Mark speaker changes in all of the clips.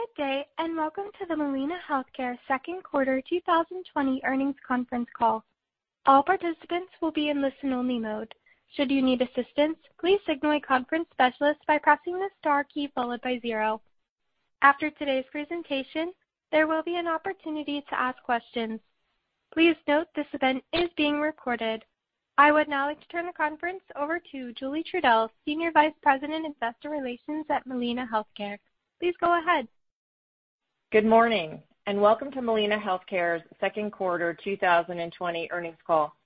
Speaker 1: Good day, welcome to the Molina Healthcare second quarter 2020 earnings conference call. All participants will be in listen only mode. Should you need assistance, please signal a conference specialist by pressing the star key followed by zero. After today's presentation, there will be an opportunity to ask questions. Please note this event is being recorded. I would now like to turn the conference over to Julie Trudell, Senior Vice President, Investor Relations at Molina Healthcare. Please go ahead.
Speaker 2: Good morning, and welcome to Molina Healthcare's second quarter 2020 earnings call.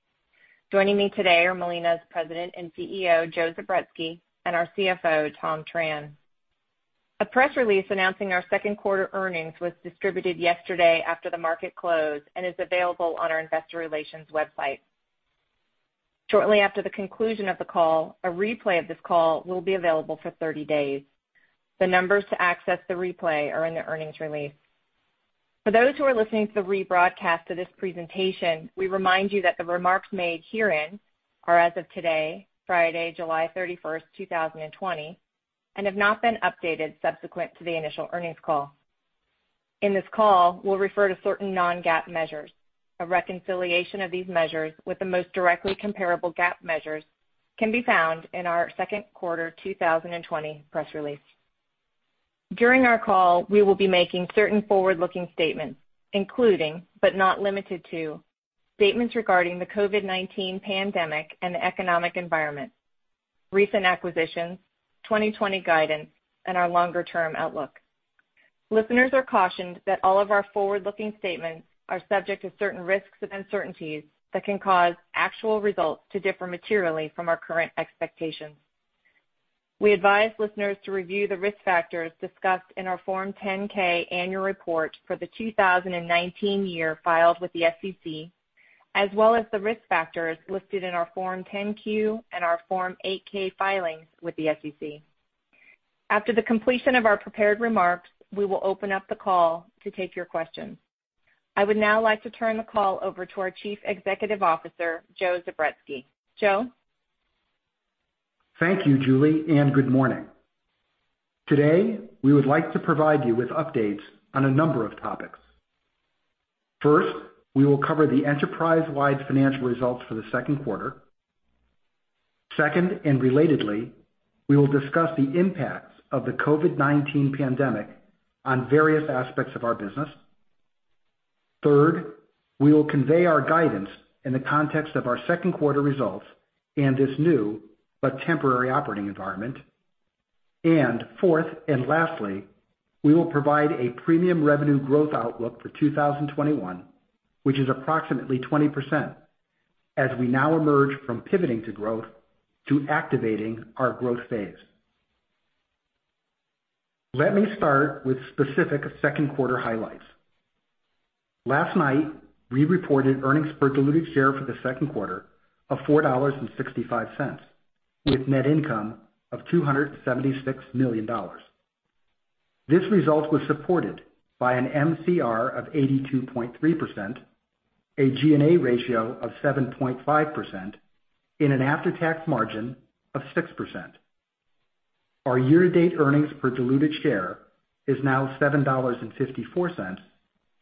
Speaker 2: Joining me today are Molina's President and CEO, Joe Zubretsky, and our CFO, Tom Tran. A press release announcing our second quarter earnings was distributed yesterday after the market closed and is available on our investor relations website. Shortly after the conclusion of the call, a replay of this call will be available for 30 days. The numbers to access the replay are in the earnings release. For those who are listening to the rebroadcast of this presentation, we remind you that the remarks made herein are as of today, Friday, 31st July 2020, and have not been updated subsequent to the initial earnings call. In this call, we'll refer to certain non-GAAP measures. A reconciliation of these measures with the most directly comparable GAAP measures can be found in our second quarter 2020 press release. During our call, we will be making certain forward-looking statements, including, but not limited to, statements regarding the COVID-19 pandemic and the economic environment, recent acquisitions, 2020 guidance, and our longer-term outlook. Listeners are cautioned that all of our forward-looking statements are subject to certain risks and uncertainties that can cause actual results to differ materially from our current expectations. We advise listeners to review the risk factors discussed in our Form 10-K annual report for the 2019 year filed with the SEC, as well as the risk factors listed in our Form 10-Q and our Form 8-K filings with the SEC. After the completion of our prepared remarks, we will open up the call to take your questions. I would now like to turn the call over to our Chief Executive Officer, Joe Zubretsky. Joe?
Speaker 3: Thank you, Julie, and good morning. Today, we would like to provide you with updates on a number of topics. First, we will cover the enterprise-wide financial results for the second quarter. Second, and relatedly, we will discuss the impacts of the COVID-19 pandemic on various aspects of our business. Third, we will convey our guidance in the context of our second quarter results and this new but temporary operating environment. Fourth, and lastly, we will provide a premium revenue growth outlook for 2021, which is approximately 20%, as we now emerge from pivoting to growth to activating our growth phase. Let me start with specific second quarter highlights. Last night, we reported earnings per diluted share for the second quarter of $4.65, with net income of $276 million. This result was supported by an MCR of 82.3%, a G&A ratio of 7.5%, and an after-tax margin of 6%. Our year-to-date earnings per diluted share is now $7.54,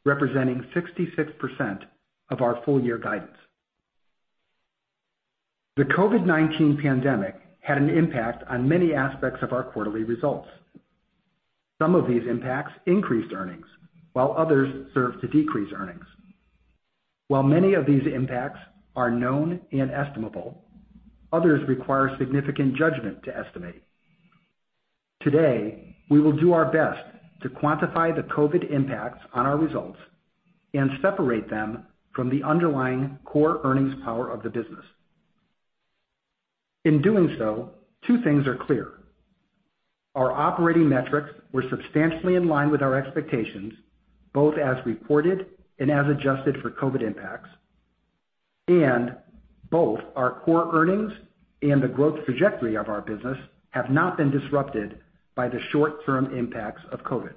Speaker 3: representing 66% of our full-year guidance. The COVID-19 pandemic had an impact on many aspects of our quarterly results. Some of these impacts increased earnings, while others served to decrease earnings. While many of these impacts are known and estimable, others require significant judgment to estimate. Today, we will do our best to quantify the COVID impacts on our results and separate them from the underlying core earnings power of the business. In doing so, two things are clear. Our operating metrics were substantially in line with our expectations, both as reported and as adjusted for COVID impacts, and both our core earnings and the growth trajectory of our business have not been disrupted by the short-term impacts of COVID.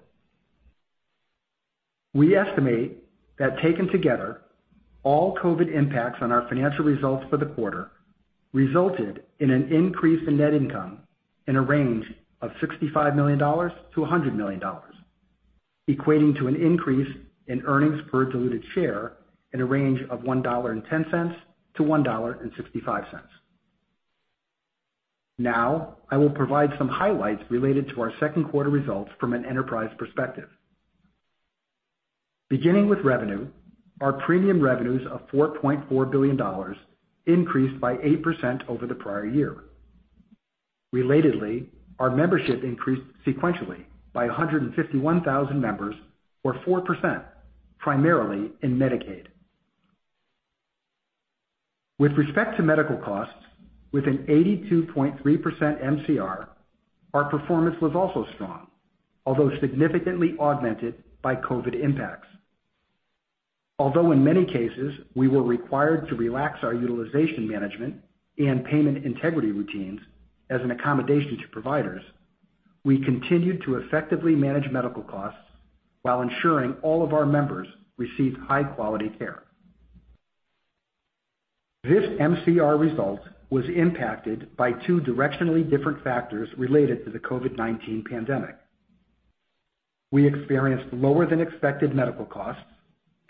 Speaker 3: We estimate that taken together, all COVID impacts on our financial results for the quarter resulted in an increase in net income in a range of $65 million-$100 million, equating to an increase in earnings per diluted share in a range of $1.10-$1.65. Now, I will provide some highlights related to our second quarter results from an enterprise perspective. Beginning with revenue, our premium revenues of $4.4 billion increased by 8% over the prior year. Relatedly, our membership increased sequentially by 151,000 members, or 4%, primarily in Medicaid. With respect to medical costs, with an 82.3% MCR, our performance was also strong, although significantly augmented by COVID impacts. Although in many cases we were required to relax our utilization management and payment integrity routines as an accommodation to providers, we continued to effectively manage medical costs while ensuring all of our members received high-quality care. This MCR result was impacted by two directionally different factors related to the COVID-19 pandemic. We experienced lower than expected medical costs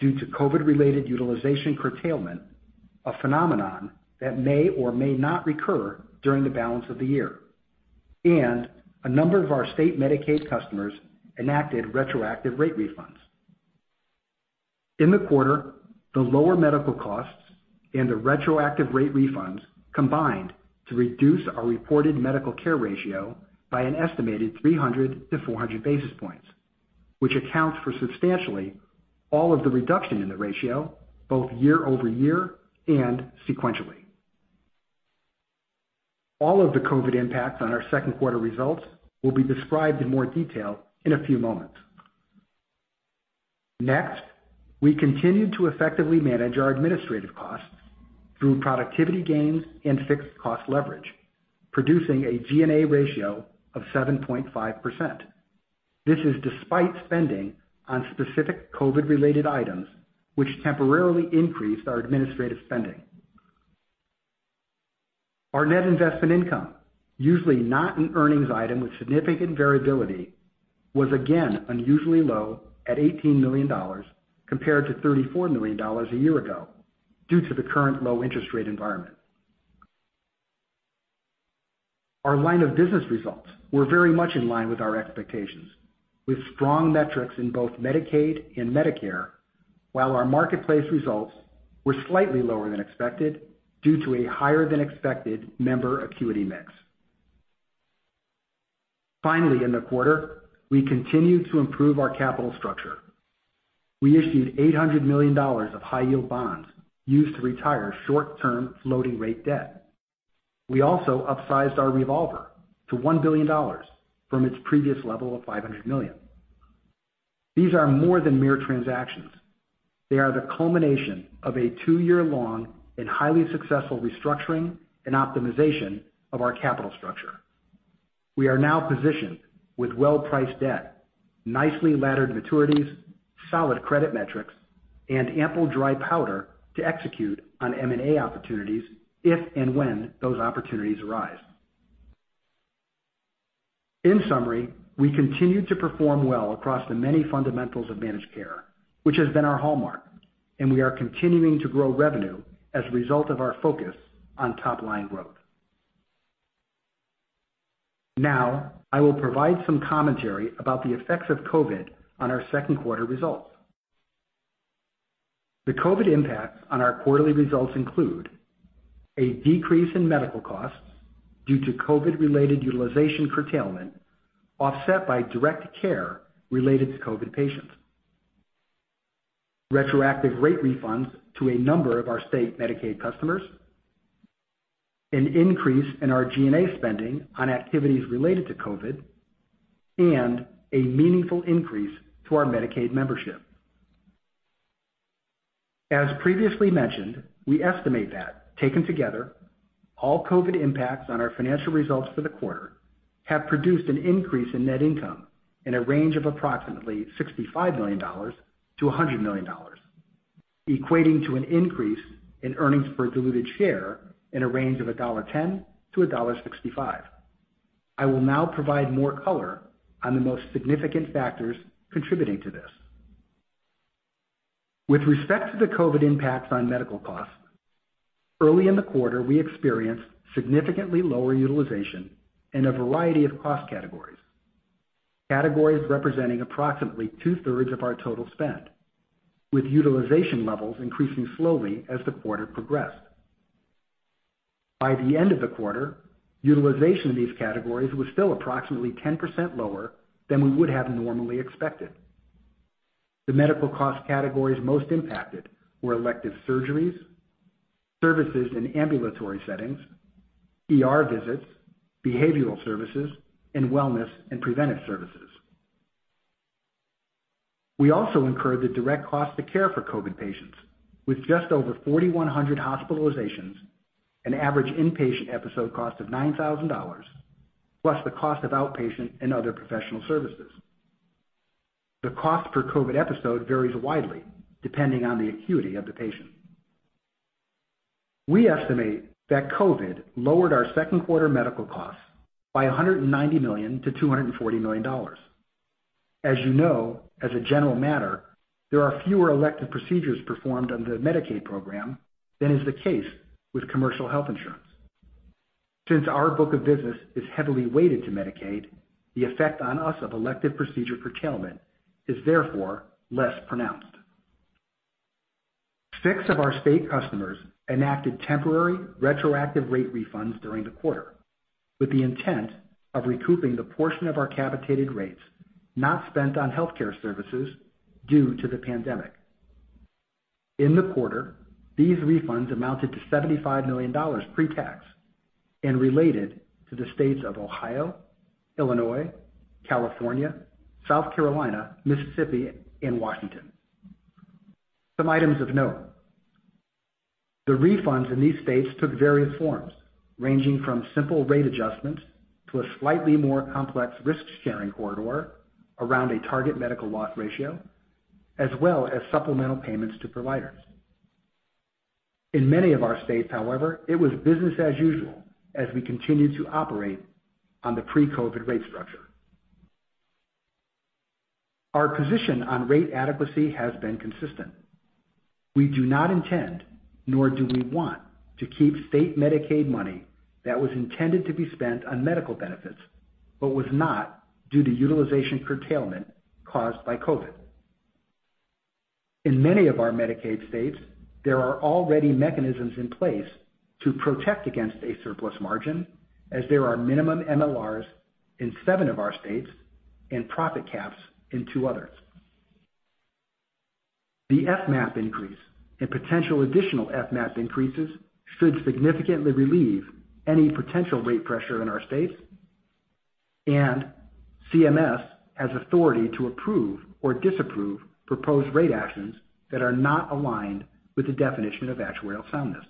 Speaker 3: due to COVID-related utilization curtailment, a phenomenon that may or may not recur during the balance of the year, and a number of our state Medicaid customers enacted retroactive rate refunds. In the quarter, the lower medical costs and the retroactive rate refunds combined to reduce our reported medical care ratio by an estimated 300-400 basis points, which accounts for substantially all of the reduction in the ratio, both year-over-year and sequentially. All of the COVID impacts on our second quarter results will be described in more detail in a few moments. We continue to effectively manage our administrative costs through productivity gains and fixed cost leverage, producing a G&A ratio of 7.5%. This is despite spending on specific COVID related items which temporarily increased our administrative spending. Our net investment income, usually not an earnings item with significant variability, was again unusually low at $18 million compared to $34 million a year ago, due to the current low interest rate environment. Our line of business results were very much in line with our expectations, with strong metrics in both Medicaid and Medicare, while our Marketplace results were slightly lower than expected due to a higher than expected member acuity mix. In the quarter, we continued to improve our capital structure. We issued $800 million of high yield bonds used to retire short-term floating rate debt. We also upsized our revolver to $1 billion from its previous level of $500 million. These are more than mere transactions. They are the culmination of a two-year long and highly successful restructuring and optimization of our capital structure. We are now positioned with well-priced debt, nicely laddered maturities, solid credit metrics, and ample dry powder to execute on M&A opportunities if and when those opportunities arise. In summary, we continued to perform well across the many fundamentals of managed care, which has been our hallmark, and we are continuing to grow revenue as a result of our focus on top line growth. Now, I will provide some commentary about the effects of COVID on our second quarter results. The COVID impacts on our quarterly results include a decrease in medical costs due to COVID related utilization curtailment, offset by direct care related to COVID patients, retroactive rate refunds to a number of our state Medicaid customers, an increase in our G&A spending on activities related to COVID, and a meaningful increase to our Medicaid membership. As previously mentioned, we estimate that taken together, all COVID impacts on our financial results for the quarter have produced an increase in net income in a range of approximately $65 million-$100 million, equating to an increase in earnings per diluted share in a range of $1.10-$1.65. I will now provide more color on the most significant factors contributing to this. With respect to the COVID impacts on medical costs, early in the quarter, we experienced significantly lower utilization in a variety of cost categories. Categories representing approximately two-thirds of our total spend, with utilization levels increasing slowly as the quarter progressed. By the end of the quarter, utilization in these categories was still approximately 10% lower than we would have normally expected. The medical cost categories most impacted were elective surgeries, services in ambulatory settings, ER visits, behavioral services, and wellness and preventive services. We also incurred the direct cost to care for COVID patients with just over 4,100 hospitalizations, an average inpatient episode cost of $9,000, plus the cost of outpatient and other professional services. The cost per COVID episode varies widely depending on the acuity of the patient. We estimate that COVID lowered our second quarter medical costs by $190 million-$240 million. As you know, as a general matter, there are fewer elective procedures performed under the Medicaid program than is the case with commercial health insurance. Since our book of business is heavily weighted to Medicaid, the effect on us of elective procedure curtailment is therefore less pronounced. Six of our state customers enacted temporary retroactive rate refunds during the quarter with the intent of recouping the portion of our capitated rates not spent on healthcare services due to the pandemic. In the quarter, these refunds amounted to $75 million pre-tax and related to the states of Ohio, Illinois, California, South Carolina, Mississippi, and Washington. Some items of note. The refunds in these states took various forms, ranging from simple rate adjustments to a slightly more complex risk sharing corridor around a target medical loss ratio, as well as supplemental payments to providers. In many of our states, however, it was business as usual as we continued to operate on the pre-COVID rate structure. Our position on rate adequacy has been consistent. We do not intend, nor do we want, to keep state Medicaid money that was intended to be spent on medical benefits but was not due to utilization curtailment caused by COVID. In many of our Medicaid states, there are already mechanisms in place to protect against a surplus margin, as there are minimum MLRs in seven of our states and profit caps in two others. The FMAP increase and potential additional FMAP increases should significantly relieve any potential rate pressure in our states, and CMS has authority to approve or disapprove proposed rate actions that are not aligned with the definition of actuarial soundness.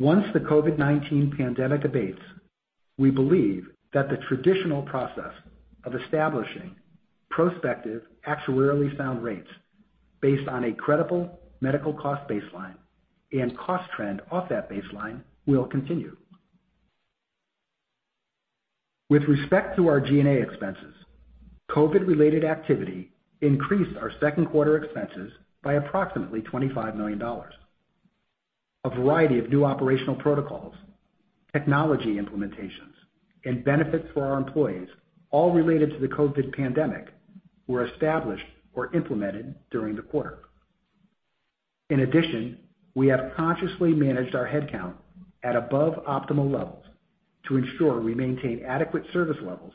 Speaker 3: Once the COVID-19 pandemic abates, we believe that the traditional process of establishing prospective actuarially sound rates based on a credible medical cost baseline and cost trend off that baseline will continue. With respect to our G&A expenses, COVID-related activity increased our second quarter expenses by approximately $25 million. A variety of new operational protocols, technology implementations, and benefits for our employees, all related to the COVID pandemic, were established or implemented during the quarter. In addition, we have consciously managed our headcount at above optimal levels to ensure we maintain adequate service levels,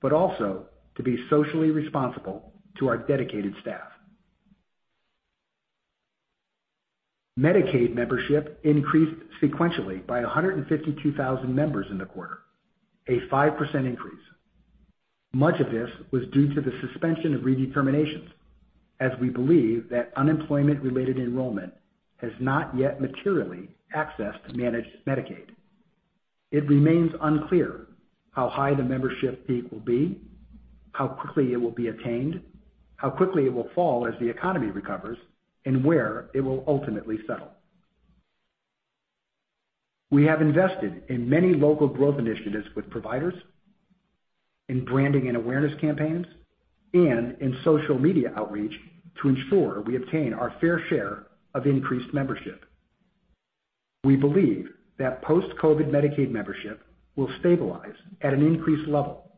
Speaker 3: but also to be socially responsible to our dedicated staff. Medicaid membership increased sequentially by 152,000 members in the quarter, a 5% increase. Much of this was due to the suspension of redeterminations, as we believe that unemployment-related enrollment has not yet materially accessed managed Medicaid. It remains unclear how high the membership peak will be, how quickly it will be attained, how quickly it will fall as the economy recovers, and where it will ultimately settle. We have invested in many local growth initiatives with providers, in branding and awareness campaigns, and in social media outreach to ensure we obtain our fair share of increased membership. We believe that post-COVID Medicaid membership will stabilize at an increased level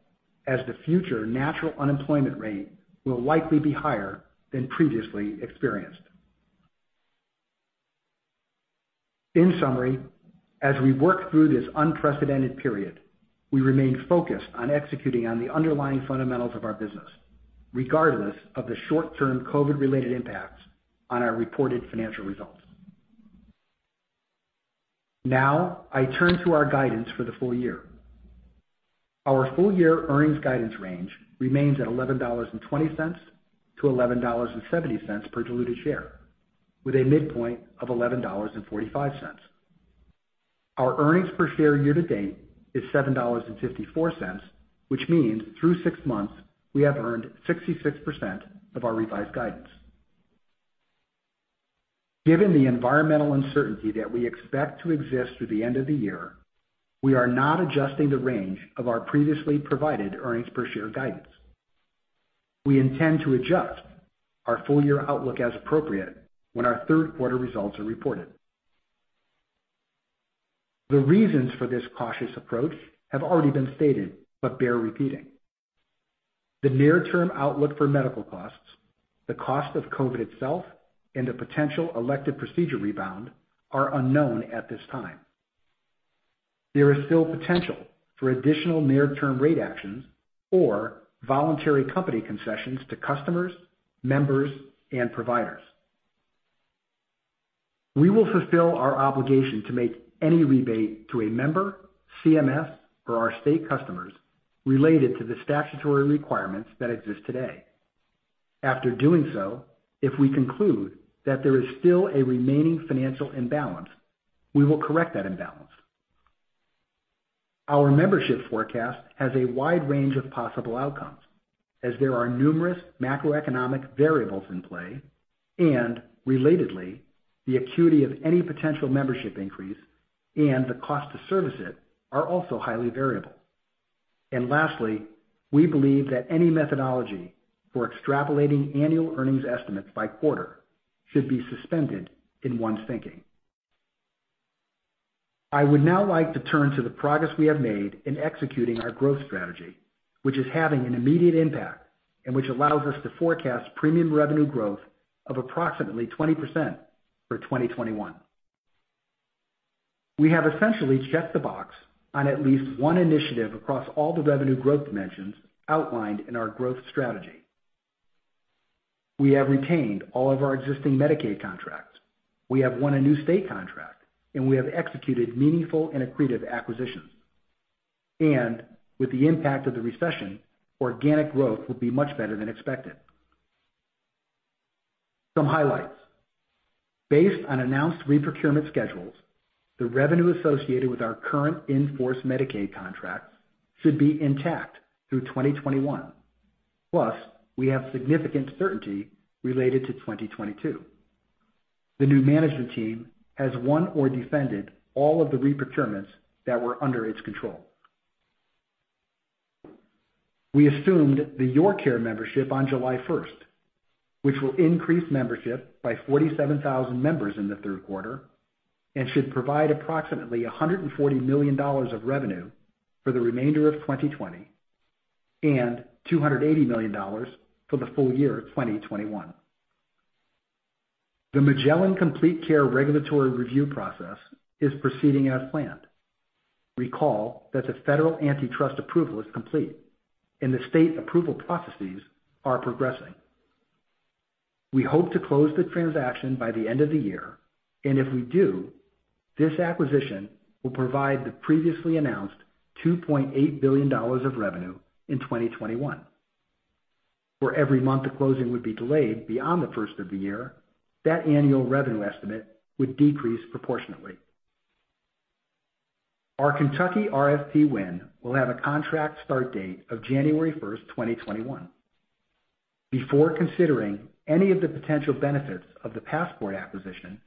Speaker 3: as the future natural unemployment rate will likely be higher than previously experienced. In summary, as we work through this unprecedented period, we remain focused on executing on the underlying fundamentals of our business, regardless of the short-term COVID-related impacts on our reported financial results. I turn to our guidance for the full year. Our full-year earnings guidance range remains at $11.20-$11.70 per diluted share, with a midpoint of $11.45. Our earnings per share year to date is $7.54, which means through six months, we have earned 66% of our revised guidance. Given the environmental uncertainty that we expect to exist through the end of the year, we are not adjusting the range of our previously provided earnings per share guidance. We intend to adjust our full-year outlook as appropriate when our third quarter results are reported. The reasons for this cautious approach have already been stated but bear repeating. The near-term outlook for medical costs, the cost of COVID-19 itself, and the potential elective procedure rebound are unknown at this time. There is still potential for additional near-term rate actions or voluntary company concessions to customers, members, and providers. We will fulfill our obligation to make any rebate to a member, CMS, or our state customers related to the statutory requirements that exist today. After doing so, if we conclude that there is still a remaining financial imbalance, we will correct that imbalance. Our membership forecast has a wide range of possible outcomes as there are numerous macroeconomic variables in play, and relatedly, the acuity of any potential membership increase and the cost to service it are also highly variable. Lastly, we believe that any methodology for extrapolating annual earnings estimates by quarter should be suspended in one's thinking. I would now like to turn to the progress we have made in executing our growth strategy, which is having an immediate impact and which allows us to forecast premium revenue growth of approximately 20% for 2021. We have essentially checked the box on at least one initiative across all the revenue growth dimensions outlined in our growth strategy. We have retained all of our existing Medicaid contracts. We have won a new state contract, and we have executed meaningful and accretive acquisitions. With the impact of the recession, organic growth will be much better than expected. Some highlights. Based on announced reprocurement schedules, the revenue associated with our current in-force Medicaid contracts should be intact through 2021. Plus, we have significant certainty related to 2022. The new management team has won or defended all of the reprocurements that were under its control. We assumed the YourCare membership on July 1st, which will increase membership by 47,000 members in the third quarter and should provide approximately $140 million of revenue for the remainder of 2020 and $280 million for the full year 2021. The Magellan Complete Care regulatory review process is proceeding as planned. Recall that the Federal antitrust approval is complete, and the state approval processes are progressing. We hope to close the transaction by the end of the year. If we do, this acquisition will provide the previously announced $2.8 billion of revenue in 2021. For every month the closing would be delayed beyond the first of the year, that annual revenue estimate would decrease proportionately. Our Kentucky RFP win will have a contract start date of 1st January 2021. Before considering any of the potential benefits of the Passport acquisition,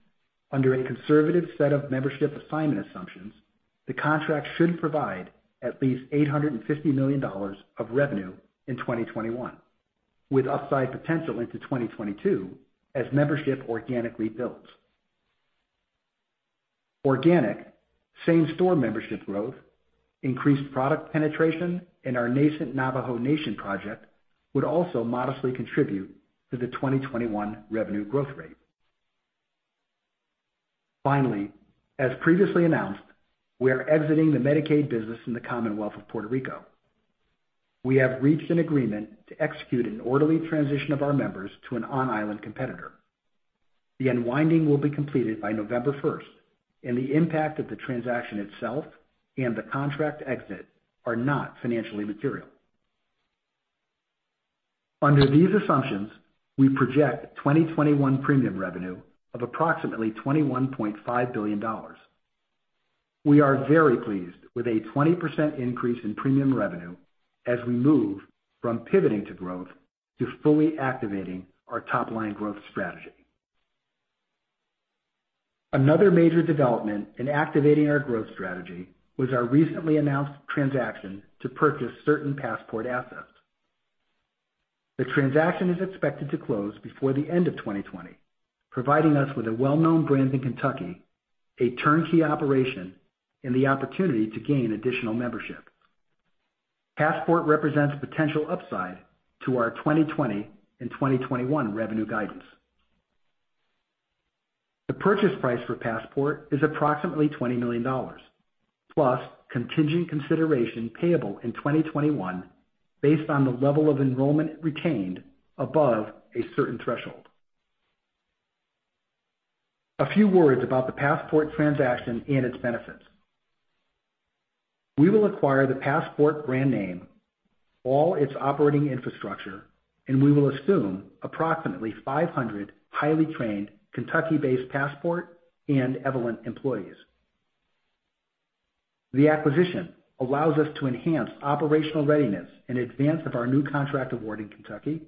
Speaker 3: under a conservative set of membership assignment assumptions, the contract should provide at least $850 million of revenue in 2021, with upside potential into 2022 as membership organically builds. Organic same-store membership growth, increased product penetration, and our nascent Navajo Nation project would also modestly contribute to the 2021 revenue growth rate. Finally, as previously announced, we are exiting the Medicaid business in the Commonwealth of Puerto Rico. We have reached an agreement to execute an orderly transition of our members to an on-island competitor. The unwinding will be completed by November 1st, and the impact of the transaction itself and the contract exit are not financially material. Under these assumptions, we project 2021 premium revenue of approximately $21.5 billion. We are very pleased with a 20% increase in premium revenue as we move from pivoting to growth to fully activating our top-line growth strategy. Another major development in activating our growth strategy was our recently announced transaction to purchase certain Passport assets. The transaction is expected to close before the end of 2020, providing us with a well-known brand in Kentucky, a turnkey operation, and the opportunity to gain additional membership. Passport represents a potential upside to our 2020 and 2021 revenue guidance. The purchase price for Passport is approximately $20 million, plus contingent consideration payable in 2021 based on the level of enrollment retained above a certain threshold. A few words about the Passport transaction and its benefits. We will acquire the Passport brand name, all its operating infrastructure, and we will assume approximately 500 highly trained Kentucky-based Passport and Evolent employees. The acquisition allows us to enhance operational readiness in advance of our new contract award in Kentucky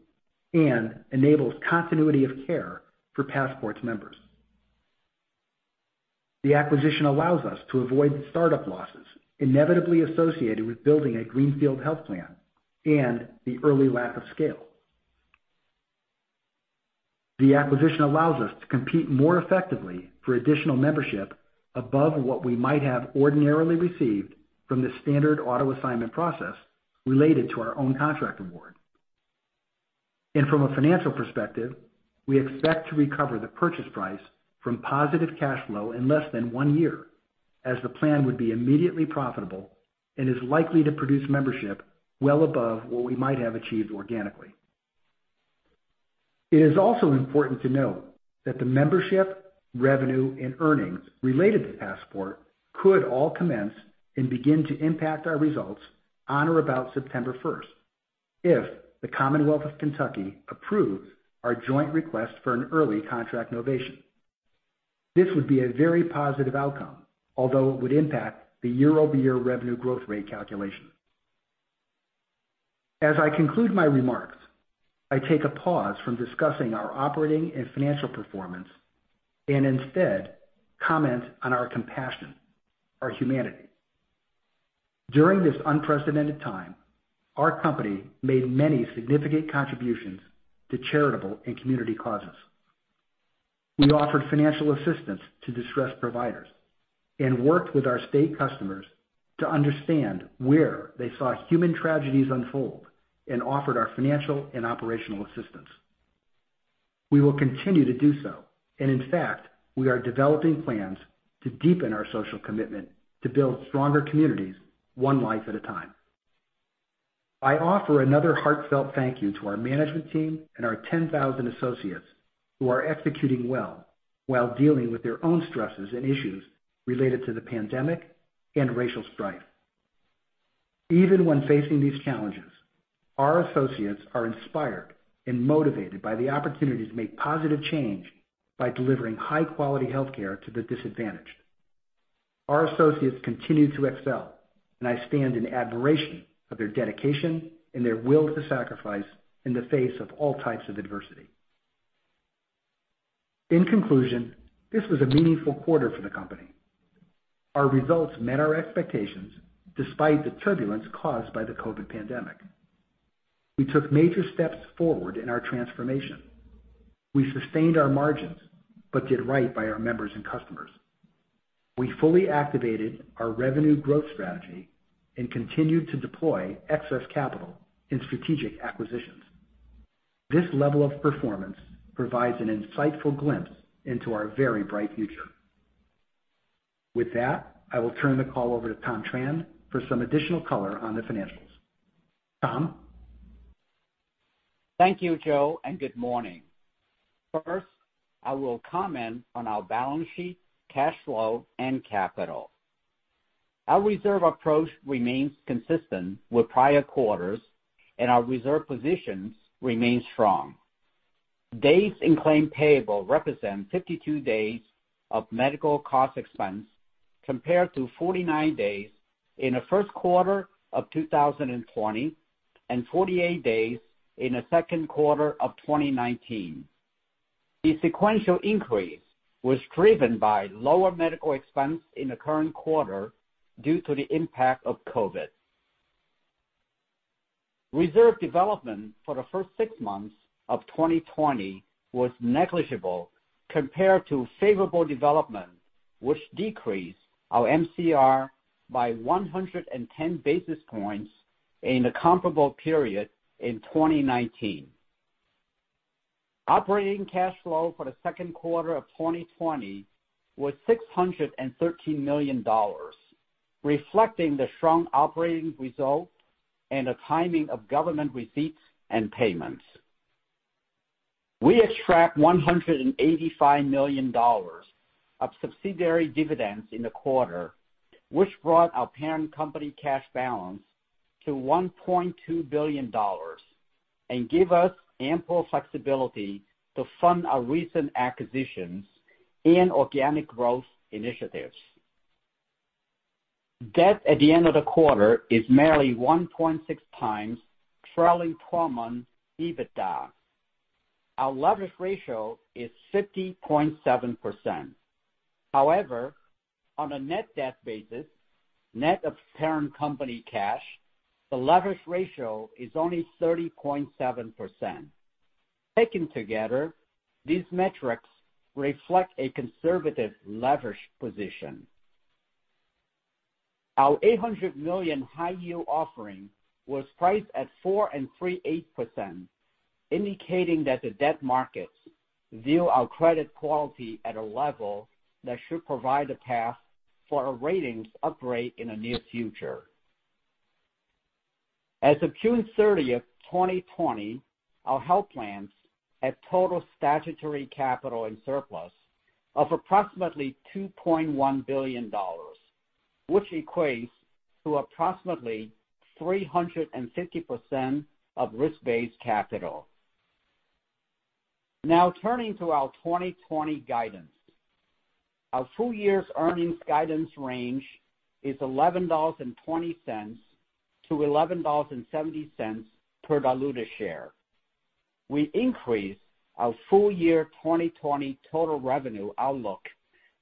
Speaker 3: and enables continuity of care for Passport's members. The acquisition allows us to avoid the startup losses inevitably associated with building a greenfield health plan and the early lack of scale. The acquisition allows us to compete more effectively for additional membership above what we might have ordinarily received from the standard auto-assignment process related to our own contract award. From a financial perspective, we expect to recover the purchase price from positive cash flow in less than one year, as the plan would be immediately profitable and is likely to produce membership well above what we might have achieved organically. It is also important to note that the membership, revenue, and earnings related to Passport Health Plan could all commence and begin to impact our results on or about September 1st if the Commonwealth of Kentucky approves our joint request for an early contract novation. This would be a very positive outcome, although it would impact the year-over-year revenue growth rate calculation. As I conclude my remarks, I take a pause from discussing our operating and financial performance and instead comment on our compassion, our humanity. During this unprecedented time, our company made many significant contributions to charitable and community causes. We offered financial assistance to distressed providers and worked with our state customers to understand where they saw human tragedies unfold and offered our financial and operational assistance. We will continue to do so, and in fact, we are developing plans to deepen our social commitment to build stronger communities one life at a time. I offer another heartfelt thank you to our management team and our 10,000 associates who are executing well while dealing with their own stresses and issues related to the pandemic and racial strife. Even when facing these challenges, our associates are inspired and motivated by the opportunity to make positive change by delivering high-quality healthcare to the disadvantaged. Our associates continue to excel, and I stand in admiration of their dedication and their will to sacrifice in the face of all types of adversity. In conclusion, this was a meaningful quarter for the company. Our results met our expectations despite the turbulence caused by the COVID-19 pandemic. We took major steps forward in our transformation. We sustained our margins but did right by our members and customers. We fully activated our revenue growth strategy and continued to deploy excess capital in strategic acquisitions. This level of performance provides an insightful glimpse into our very bright future. With that, I will turn the call over to Tom Tran for some additional color on the financials. Tom?
Speaker 4: Thank you, Joe, good morning. First, I will comment on our balance sheet, cash flow, and capital. Our reserve approach remains consistent with prior quarters, and our reserve positions remain strong. Days in claim payable represent 52 days of medical cost expense, compared to 49 days in the first quarter of 2020 and 48 days in the second quarter of 2019. The sequential increase was driven by lower medical expense in the current quarter due to the impact of COVID. Reserve development for the first six months of 2020 was negligible compared to favorable development, which decreased our MCR by 110 basis points in the comparable period in 2019. Operating cash flow for the second quarter of 2020 was $613 million, reflecting the strong operating result and the timing of government receipts and payments. We extract $185 million of subsidiary dividends in the quarter, which brought our parent company cash balance to $1.2 billion and give us ample flexibility to fund our recent acquisitions and organic growth initiatives. Debt at the end of the quarter is merely 1.6x trailing twelve-month EBITDA. Our leverage ratio is 50.7%. However, on a net debt basis, net of parent company cash, the leverage ratio is only 30.7%. Taken together, these metrics reflect a conservative leverage position. Our $800 million high-yield offering was priced at 4.375%, indicating that the debt markets view our credit quality at a level that should provide a path for a ratings upgrade in the near future. As of June 30th, 2020, our health plans had total statutory capital and surplus of approximately $2.1 billion, which equates to approximately 350% of risk-based capital. Turning to our 2020 guidance. Our full year's earnings guidance range is $11.20-$11.70 per diluted share. We increased our full year 2020 total revenue outlook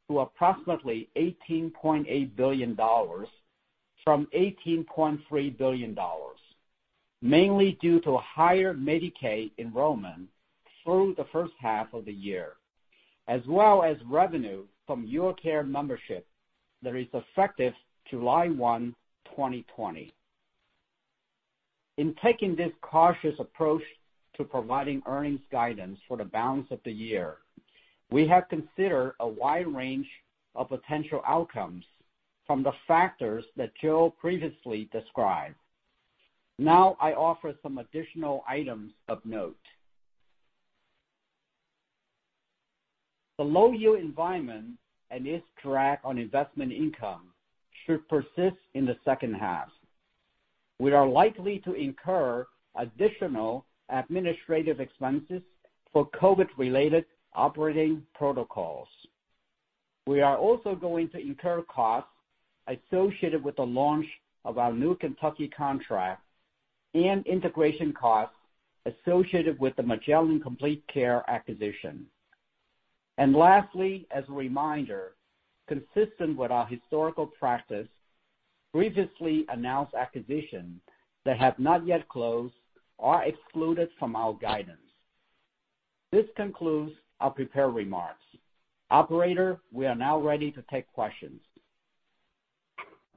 Speaker 4: to approximately $18.8 billion from $18.3 billion, mainly due to higher Medicaid enrollment through the first half of the year, as well as revenue from YourCare membership that is effective 1st July 2020. In taking this cautious approach to providing earnings guidance for the balance of the year, we have considered a wide range of potential outcomes from the factors that Joe previously described. I offer some additional items of note. The low-yield environment and its drag on investment income should persist in the second half. We are likely to incur additional administrative expenses for COVID-related operating protocols. We are also going to incur costs associated with the launch of our new Kentucky contract and integration costs associated with the Magellan Complete Care acquisition. Lastly, as a reminder, consistent with our historical practice, previously announced acquisitions that have not yet closed are excluded from our guidance. This concludes our prepared remarks. Operator, we are now ready to take questions.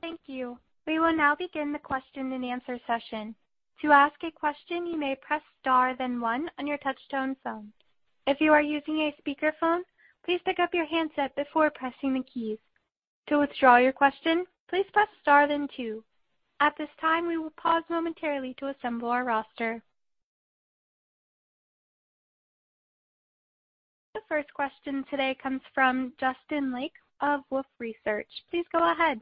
Speaker 1: Thank you. We will now begin the question and answer session. To ask a question, you may press star then one on your touch-tone phone. If you are using a speakerphone, please pick up your handset before pressing the keys. To withdraw your question, please Press Star then two. At this time, we will pause momentarily to assemble our roster. First question today comes from Justin Lake of Wolfe Research. Please go ahead.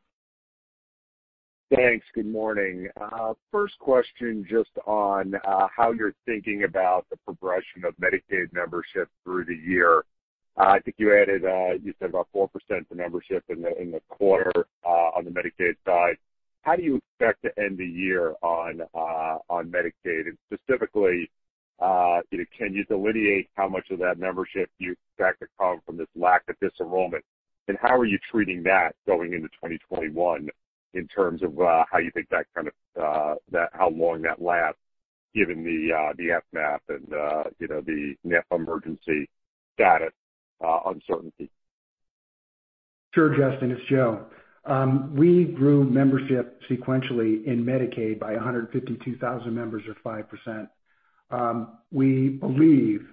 Speaker 5: Thanks. Good morning. First question just on how you're thinking about the progression of Medicaid membership through the year. I think you added, you said about 4% for membership in the quarter on the Medicaid side. How do you expect to end the year on Medicaid? Specifically, can you delineate how much of that membership you expect to come from this lack of disenrollment? How are you treating that going into 2021 in terms of how you think how long that lasts given the FMAP and the net emergency status uncertainty?
Speaker 3: Sure, Justin, it's Joe. We grew membership sequentially in Medicaid by 152,000 members or 5%. We believe,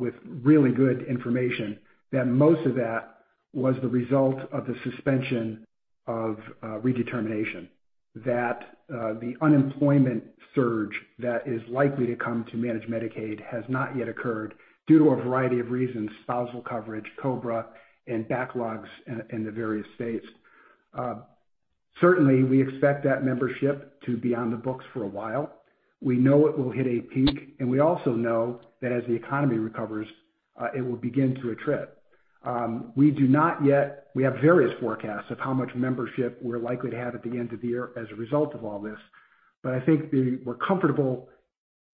Speaker 3: with really good information, that most of that was the result of the suspension of redetermination, that the unemployment surge that is likely to come to manage Medicaid has not yet occurred due to a variety of reasons, spousal coverage, COBRA, and backlogs in the various states. Certainly, we expect that membership to be on the books for a while. We know it will hit a peak, and we also know that as the economy recovers, it will begin to attrit. We have various forecasts of how much membership we're likely to have at the end of the year as a result of all this. I think we're comfortable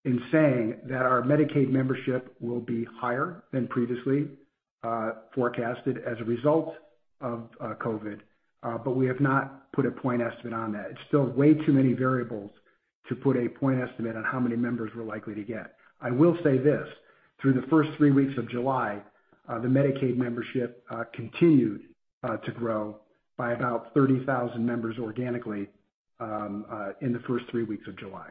Speaker 3: in saying that our Medicaid membership will be higher than previously forecasted as a result of COVID. We have not put a point estimate on that. It's still way too many variables to put a point estimate on how many members we're likely to get. I will say this. Through the first three weeks of July, the Medicaid membership continued to grow by about 30,000 members organically in the first three weeks of July.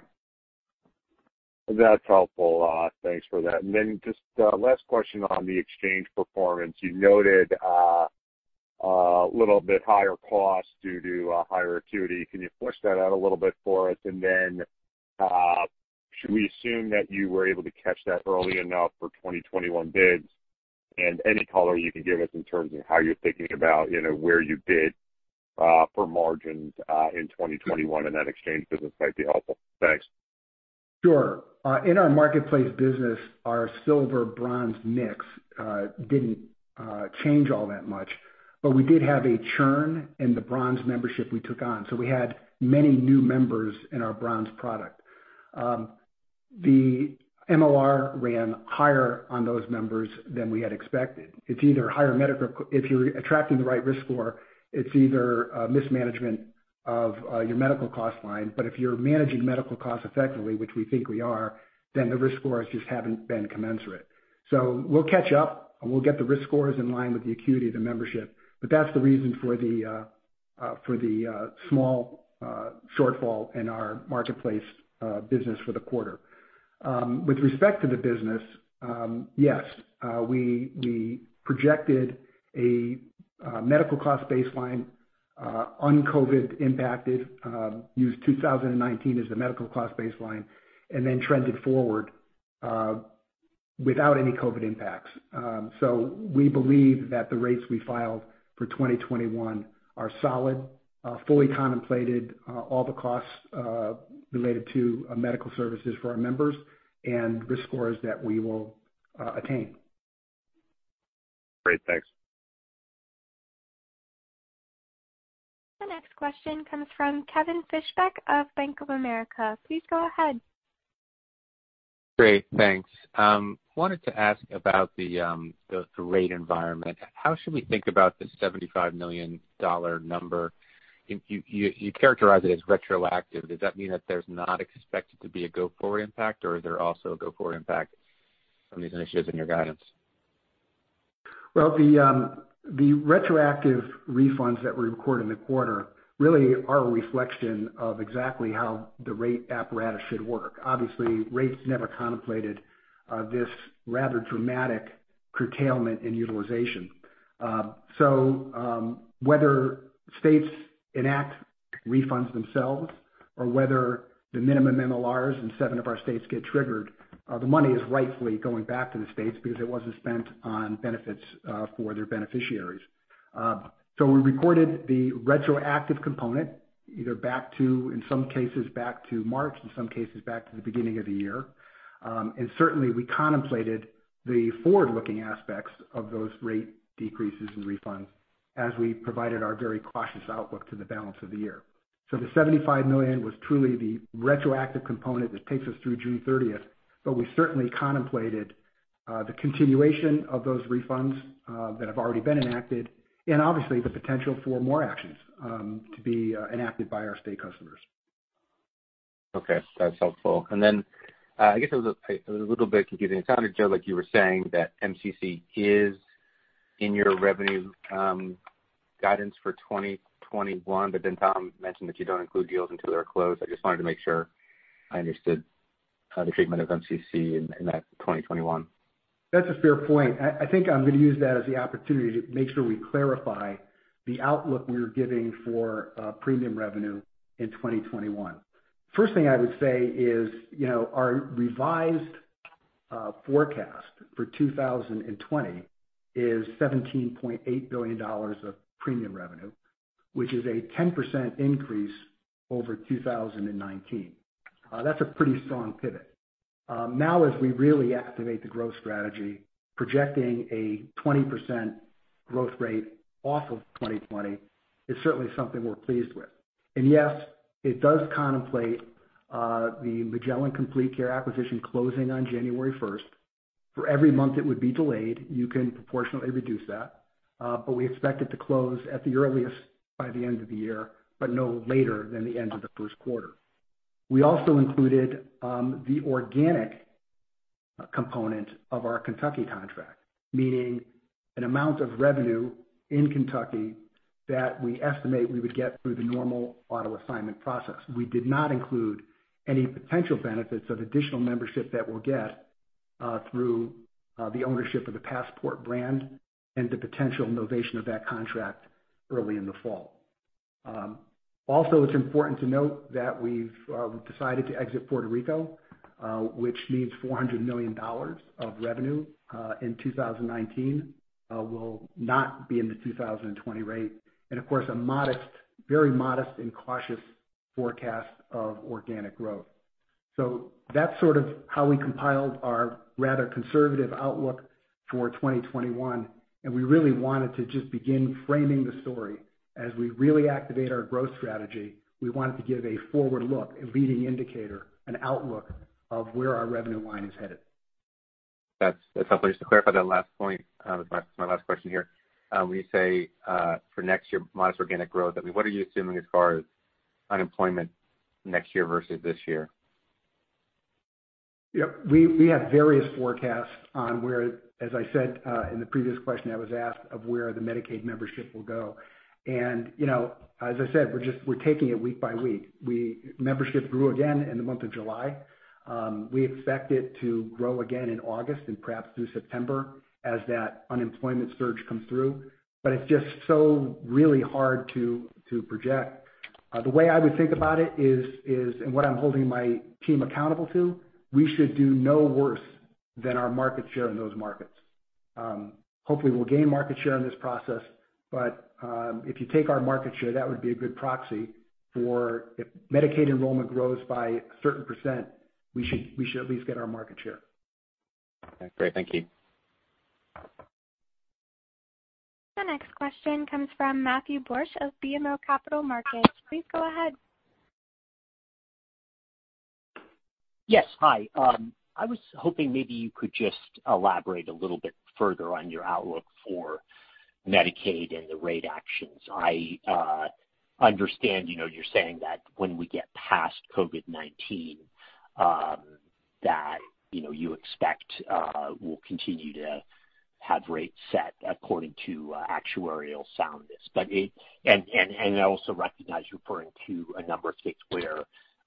Speaker 5: That's helpful. Thanks for that. Just a last question on the exchange performance. You noted a little bit higher cost due to higher acuity. Can you flesh that out a little bit for us? Should we assume that you were able to catch that early enough for 2021 bids? Any color you can give us in terms of how you're thinking about where you bid for margins in 2021 in that exchange business might be helpful. Thanks.
Speaker 3: Sure. In our Marketplace business, our silver-bronze mix didn't change all that much, but we did have a churn in the bronze membership we took on. We had many new members in our bronze product. The MCR ran higher on those members than we had expected. If you're attracting the right risk score, it's either mismanagement of your medical cost line, but if you're managing medical costs effectively, which we think we are, then the risk scores just haven't been commensurate. We'll catch up, and we'll get the risk scores in line with the acuity of the membership. That's the reason for the small shortfall in our Marketplace business for the quarter. With respect to the business, yes, we projected a medical cost baseline, un-COVID impacted, used 2019 as the medical cost baseline, and then trended forward without any COVID impacts. We believe that the rates we filed for 2021 are solid, fully contemplated all the costs related to medical services for our members and risk scores that we will attain.
Speaker 5: Great. Thanks.
Speaker 1: The next question comes from Kevin Fischbeck of Bank of America. Please go ahead.
Speaker 6: Great. Thanks. Wanted to ask about the rate environment. How should we think about the $75 million number? You characterize it as retroactive. Does that mean that there's not expected to be a go-forward impact, or is there also a go-forward impact from these initiatives in your guidance?
Speaker 3: Well, the retroactive refunds that we recorded in the quarter really are a reflection of exactly how the rate apparatus should work. Obviously, rates never contemplated this rather dramatic curtailment in utilization. Whether states enact refunds themselves or whether the minimum MLRs in seven of our states get triggered, the money is rightfully going back to the states because it wasn't spent on benefits for their beneficiaries. We recorded the retroactive component, either in some cases back to March, in some cases back to the beginning of the year. Certainly, we contemplated the forward-looking aspects of those rate decreases and refunds as we provided our very cautious outlook to the balance of the year. The $75 million was truly the retroactive component that takes us through June 30th. We certainly contemplated the continuation of those refunds that have already been enacted and obviously the potential for more actions to be enacted by our state customers.
Speaker 6: Okay, that's helpful. I guess it was a little bit confusing. It sounded, Joe, like you were saying that MCC is in your revenue guidance for 2021, Tom mentioned that you don't include deals until they're closed. I just wanted to make sure I understood the treatment of MCC in that 2021.
Speaker 3: That's a fair point. I think I'm going to use that as the opportunity to make sure we clarify the outlook we're giving for premium revenue in 2021. First thing I would say is our revised forecast for 2020 is $17.8 billion of premium revenue, which is a 10% increase over 2019. That's a pretty strong pivot. Now as we really activate the growth strategy, projecting a 20% growth rate off of 2020 is certainly something we're pleased with. Yes, it does contemplate the Magellan Complete Care acquisition closing on January 1st. For every month it would be delayed, you can proportionately reduce that, but we expect it to close at the earliest by the end of the year, but no later than the end of the first quarter. We also included the organic component of our Kentucky contract, meaning an amount of revenue in Kentucky that we estimate we would get through the normal auto assignment process. We did not include any potential benefits of additional membership that we'll get through the ownership of the Passport brand and the potential novation of that contract early in the fall. It's important to note that we've decided to exit Puerto Rico, which means $400 million of revenue in 2019 will not be in the 2020 rate. Of course, a very modest and cautious forecast of organic growth. That's sort of how we compiled our rather conservative outlook for 2021, and we really wanted to just begin framing the story. As we really activate our growth strategy, we wanted to give a forward look, a leading indicator, an outlook of where our revenue line is headed.
Speaker 6: That's helpful. Just to clarify that last point, my last question here. When you say for next year, modest organic growth, what are you assuming as far as unemployment next year versus this year?
Speaker 3: Yep. We have various forecasts on where, as I said in the previous question I was asked, of where the Medicaid membership will go. As I said, we're taking it week by week. Membership grew again in the month of July. We expect it to grow again in August and perhaps through September as that unemployment surge comes through. It's just so really hard to project. The way I would think about it is, and what I'm holding my team accountable to, we should do no worse than our market share in those markets. Hopefully, we'll gain market share in this process. If you take our market share, that would be a good proxy for if Medicaid enrollment grows by a certain percent, we should at least get our market share.
Speaker 6: Great. Thank you.
Speaker 1: The next question comes from Matthew Borsch of BMO Capital Markets. Please go ahead.
Speaker 7: Yes. Hi. I was hoping maybe you could just elaborate a little bit further on your outlook for Medicaid and the rate actions. I understand you're saying that when we get past COVID-19, that you expect we'll continue to have rates set according to actuarial soundness. I also recognize you're referring to a number of states where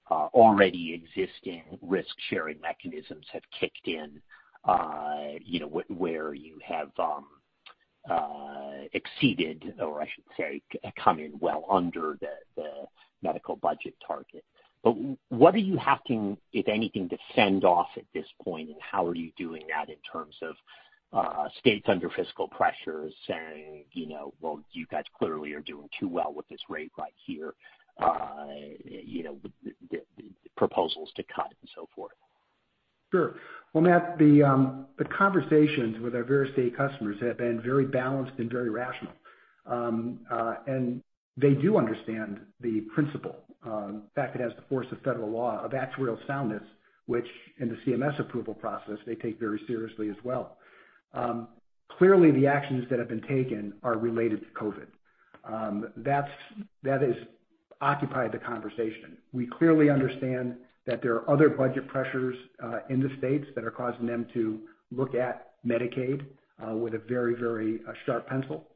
Speaker 7: already existing risk-sharing mechanisms have kicked in, where you have exceeded, or I should say, come in well under the medical budget target. What are you having, if anything, to fend off at this point, and how are you doing that in terms of states under fiscal pressure saying, "Well, you guys clearly are doing too well with this rate right here." Proposals to cut and so forth.
Speaker 3: Sure. Well, Matt, the conversations with our various state customers have been very balanced and very rational. They do understand the principle. In fact, it has the force of federal law, of actuarial soundness, which in the CMS approval process, they take very seriously as well. Clearly, the actions that have been taken are related to COVID. That has occupied the conversation. We clearly understand that there are other budget pressures in the states that are causing them to look at Medicaid with a very sharp pencil.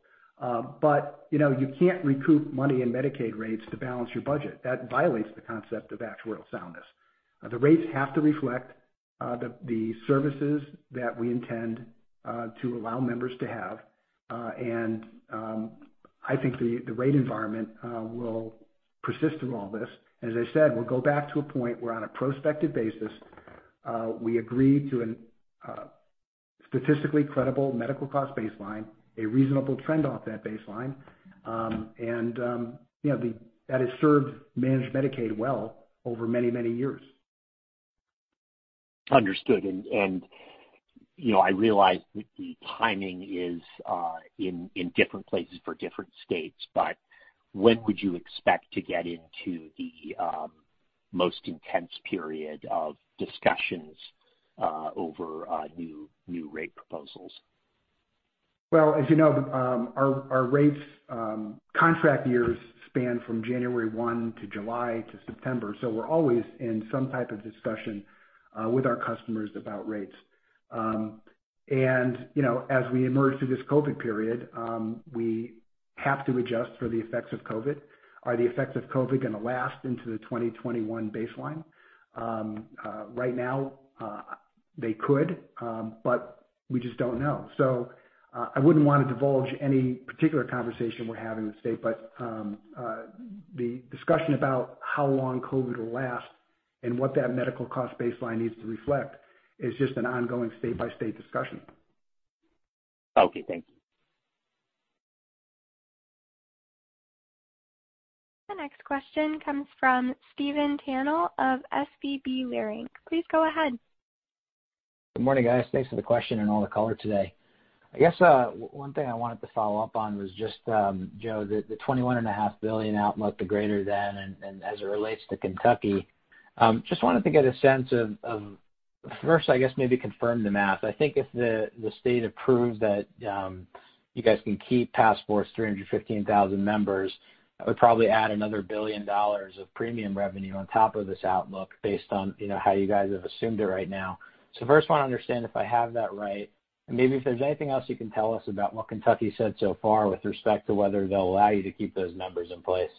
Speaker 3: You can't recoup money in Medicaid rates to balance your budget. That violates the concept of actuarial soundness. The rates have to reflect the services that we intend to allow members to have. I think the rate environment will persist through all this. As I said, we'll go back to a point where on a prospective basis, we agree to a statistically credible medical cost baseline, a reasonable trend off that baseline, and that has served Managed Medicaid well over many years.
Speaker 7: Understood. I realize the timing is in different places for different states, but when would you expect to get into the most intense period of discussions over new rate proposals?
Speaker 3: Well, as you know, our rates contract years span from January one to July to September. We're always in some type of discussion with our customers about rates. As we emerge through this COVID period, we have to adjust for the effects of COVID. Are the effects of COVID going to last into the 2021 baseline? Right now, they could, but we just don't know. I wouldn't want to divulge any particular conversation we're having with the state. The discussion about how long COVID will last and what that medical cost baseline needs to reflect is just an ongoing state-by-state discussion.
Speaker 7: Okay, thank you.
Speaker 1: The next question comes from Stephen Tanal of SVB Leerink. Please go ahead.
Speaker 8: Good morning, guys. Thanks for the question and all the color today. I guess one thing I wanted to follow up on was just, Joe, the $21.5 billion outlook, the greater than, and as it relates to Kentucky. Just wanted to get a sense of, first, I guess maybe confirm the math. I think if the state approves that you guys can keep Passport's 315,000 members, it would probably add another $1 billion of premium revenue on top of this outlook based on how you guys have assumed it right now. First, I want to understand if I have that right, and maybe if there's anything else you can tell us about what Kentucky said so far with respect to whether they'll allow you to keep those numbers in place.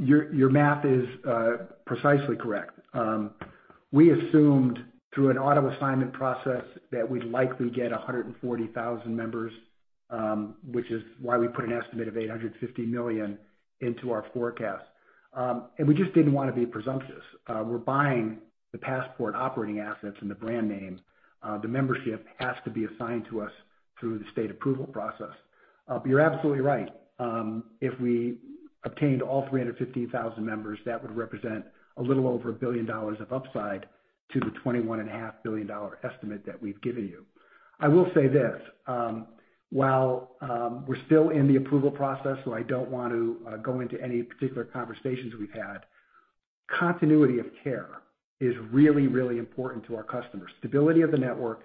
Speaker 3: Your math is precisely correct. We assumed through an auto-assignment process that we'd likely get 140,000 members, which is why we put an estimate of $850 million into our forecast. We just didn't want to be presumptuous. We're buying the Passport operating assets and the brand name. The membership has to be assigned to us through the state approval process. You're absolutely right. If we obtained all 315,000 members, that would represent a little over $1 billion of upside to the $21.5 billion estimate that we've given you. I will say this. While we're still in the approval process, so I don't want to go into any particular conversations we've had, continuity of care is really important to our customers. Stability of the network,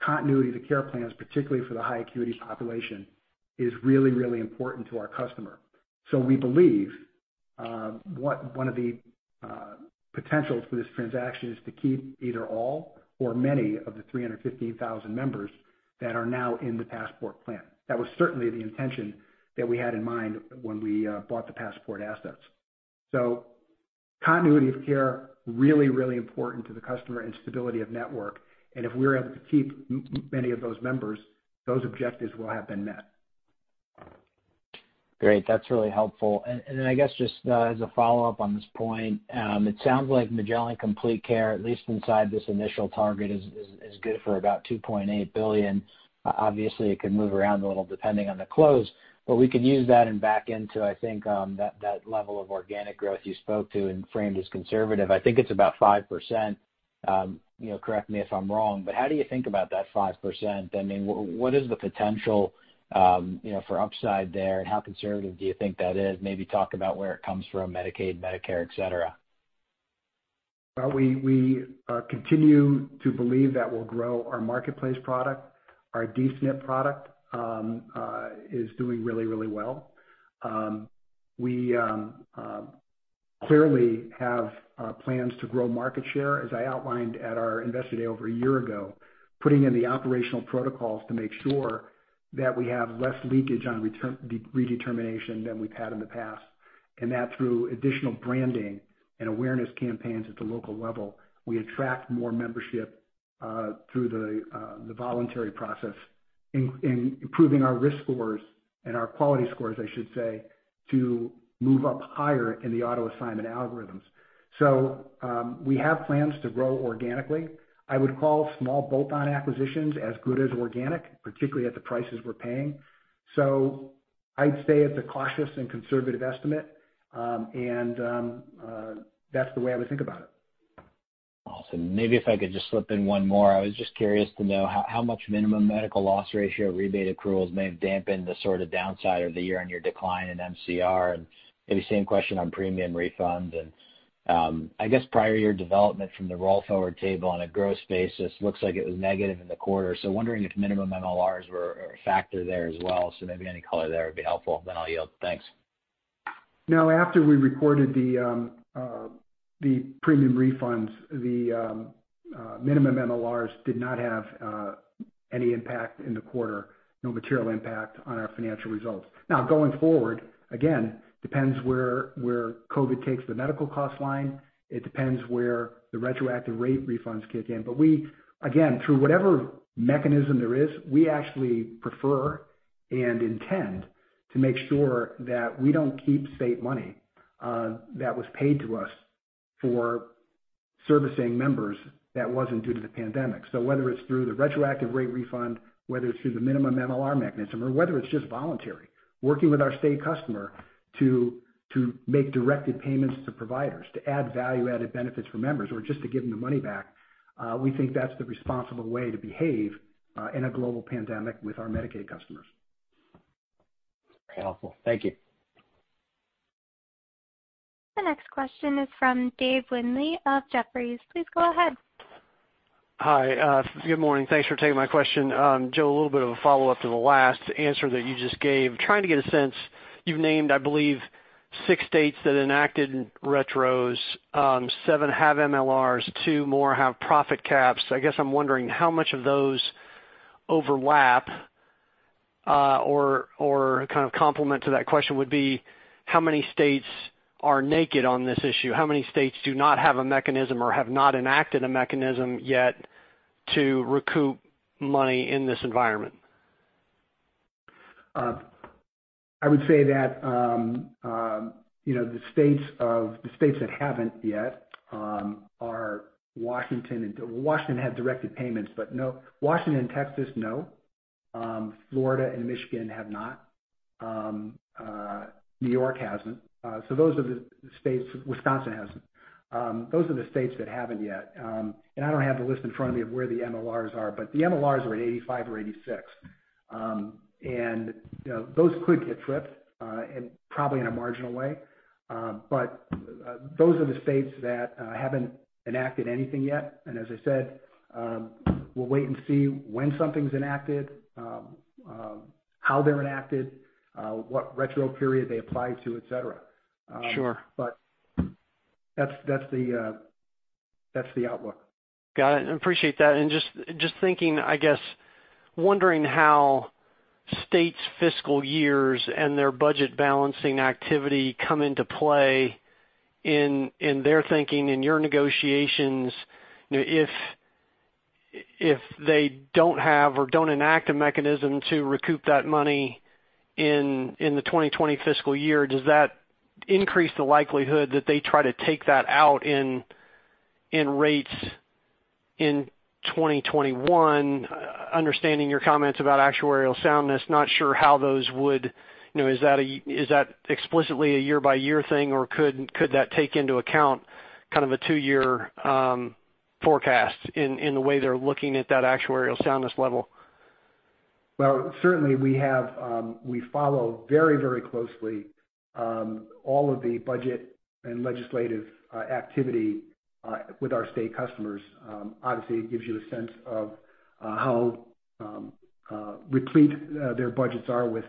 Speaker 3: continuity to care plans, particularly for the high acuity population, is really important to our customer. We believe one of the potentials for this transaction is to keep either all or many of the 315,000 members that are now in the Passport plan. That was certainly the intention that we had in mind when we bought the Passport assets. Continuity of care, really important to the customer and stability of network. If we're able to keep many of those members, those objectives will have been met.
Speaker 8: Great. That's really helpful. Then I guess just as a follow-up on this point, it sounds like Magellan Complete Care, at least inside this initial target, is good for about $2.8 billion. Obviously, it can move around a little depending on the close, but we could use that and back into, I think, that level of organic growth you spoke to and framed as conservative. I think it's about 5%. Correct me if I'm wrong, but how do you think about that 5%? What is the potential for upside there, and how conservative do you think that is? Maybe talk about where it comes from, Medicaid, Medicare, et cetera.
Speaker 3: We continue to believe that we'll grow our Marketplace product. Our D-SNP product is doing really, really well. We clearly have plans to grow market share, as I outlined at our Investor Day over a year ago, putting in the operational protocols to make sure that we have less leakage on redetermination than we've had in the past, and that through additional branding and awareness campaigns at the local level, we attract more membership through the voluntary process in improving our risk scores and our quality scores, I should say, to move up higher in the auto-assignment algorithms. We have plans to grow organically. I would call small bolt-on acquisitions as good as organic, particularly at the prices we're paying. I'd say it's a cautious and conservative estimate, and that's the way I would think about it.
Speaker 8: Awesome. Maybe if I could just slip in one more. I was just curious to know how much minimum medical loss ratio rebate accruals may have dampened the sort of downside of the year on your decline in MCR, and maybe same question on premium refunds. I guess prior year development from the roll forward table on a gross basis looks like it was negative in the quarter. Wondering if minimum MLRs were a factor there as well. Maybe any color there would be helpful. I'll yield. Thanks.
Speaker 3: No, after we recorded the premium refunds, the minimum MLRs did not have any impact in the quarter, no material impact on our financial results. Going forward, again, depends where COVID-19 takes the medical cost line. It depends where the retroactive rate refunds kick in. We, again, through whatever mechanism there is, we actually prefer and intend to make sure that we don't keep state money that was paid to us for servicing members that wasn't due to the pandemic. Whether it's through the retroactive rate refund, whether it's through the minimum MLR mechanism, or whether it's just voluntary, working with our state customer to make directed payments to providers, to add value-added benefits for members, or just to give them the money back, we think that's the responsible way to behave in a global pandemic with our Medicaid customers.
Speaker 8: Very helpful. Thank you.
Speaker 1: The next question is from David Windley of Jefferies. Please go ahead.
Speaker 9: Hi. Good morning. Thanks for taking my question. Joe, a little bit of a follow-up to the last answer that you just gave. Trying to get a sense, you've named, I believe, six states that enacted retros, seven have MLRs, two more have profit caps. I guess I'm wondering how much of those overlap. Kind of complement to that question would be, how many states are naked on this issue? How many states do not have a mechanism or have not enacted a mechanism yet to recoup money in this environment?
Speaker 3: I would say that the states that haven't yet are Washington and-- Well, Washington had directed payments, but no. Washington and Texas, no. Florida and Michigan have not. New York hasn't. Wisconsin hasn't. Those are the states that haven't yet. I don't have the list in front of me of where the MLRs are, but the MLRs are at 85 or 86. Those could get tripped, and probably in a marginal way. Those are the states that haven't enacted anything yet. As I said, we'll wait and see when something's enacted, how they're enacted, what retro period they apply to, et cetera.
Speaker 9: Sure.
Speaker 3: That's the outlook.
Speaker 9: Got it. Appreciate that. Just thinking, I guess, wondering how states' fiscal years and their budget balancing activity come into play in their thinking, in your negotiations. If they don't have or don't enact a mechanism to recoup that money in the 2020 fiscal year, does that increase the likelihood that they try to take that out in rates in 2021? Understanding your comments about actuarial soundness, not sure how those would. Is that explicitly a year-by-year thing, or could that take into account kind of a two-year forecast in the way they're looking at that actuarial soundness level?
Speaker 3: Certainly, we follow very closely all of the budget and legislative activity with our state customers. Obviously, it gives you a sense of how replete their budgets are with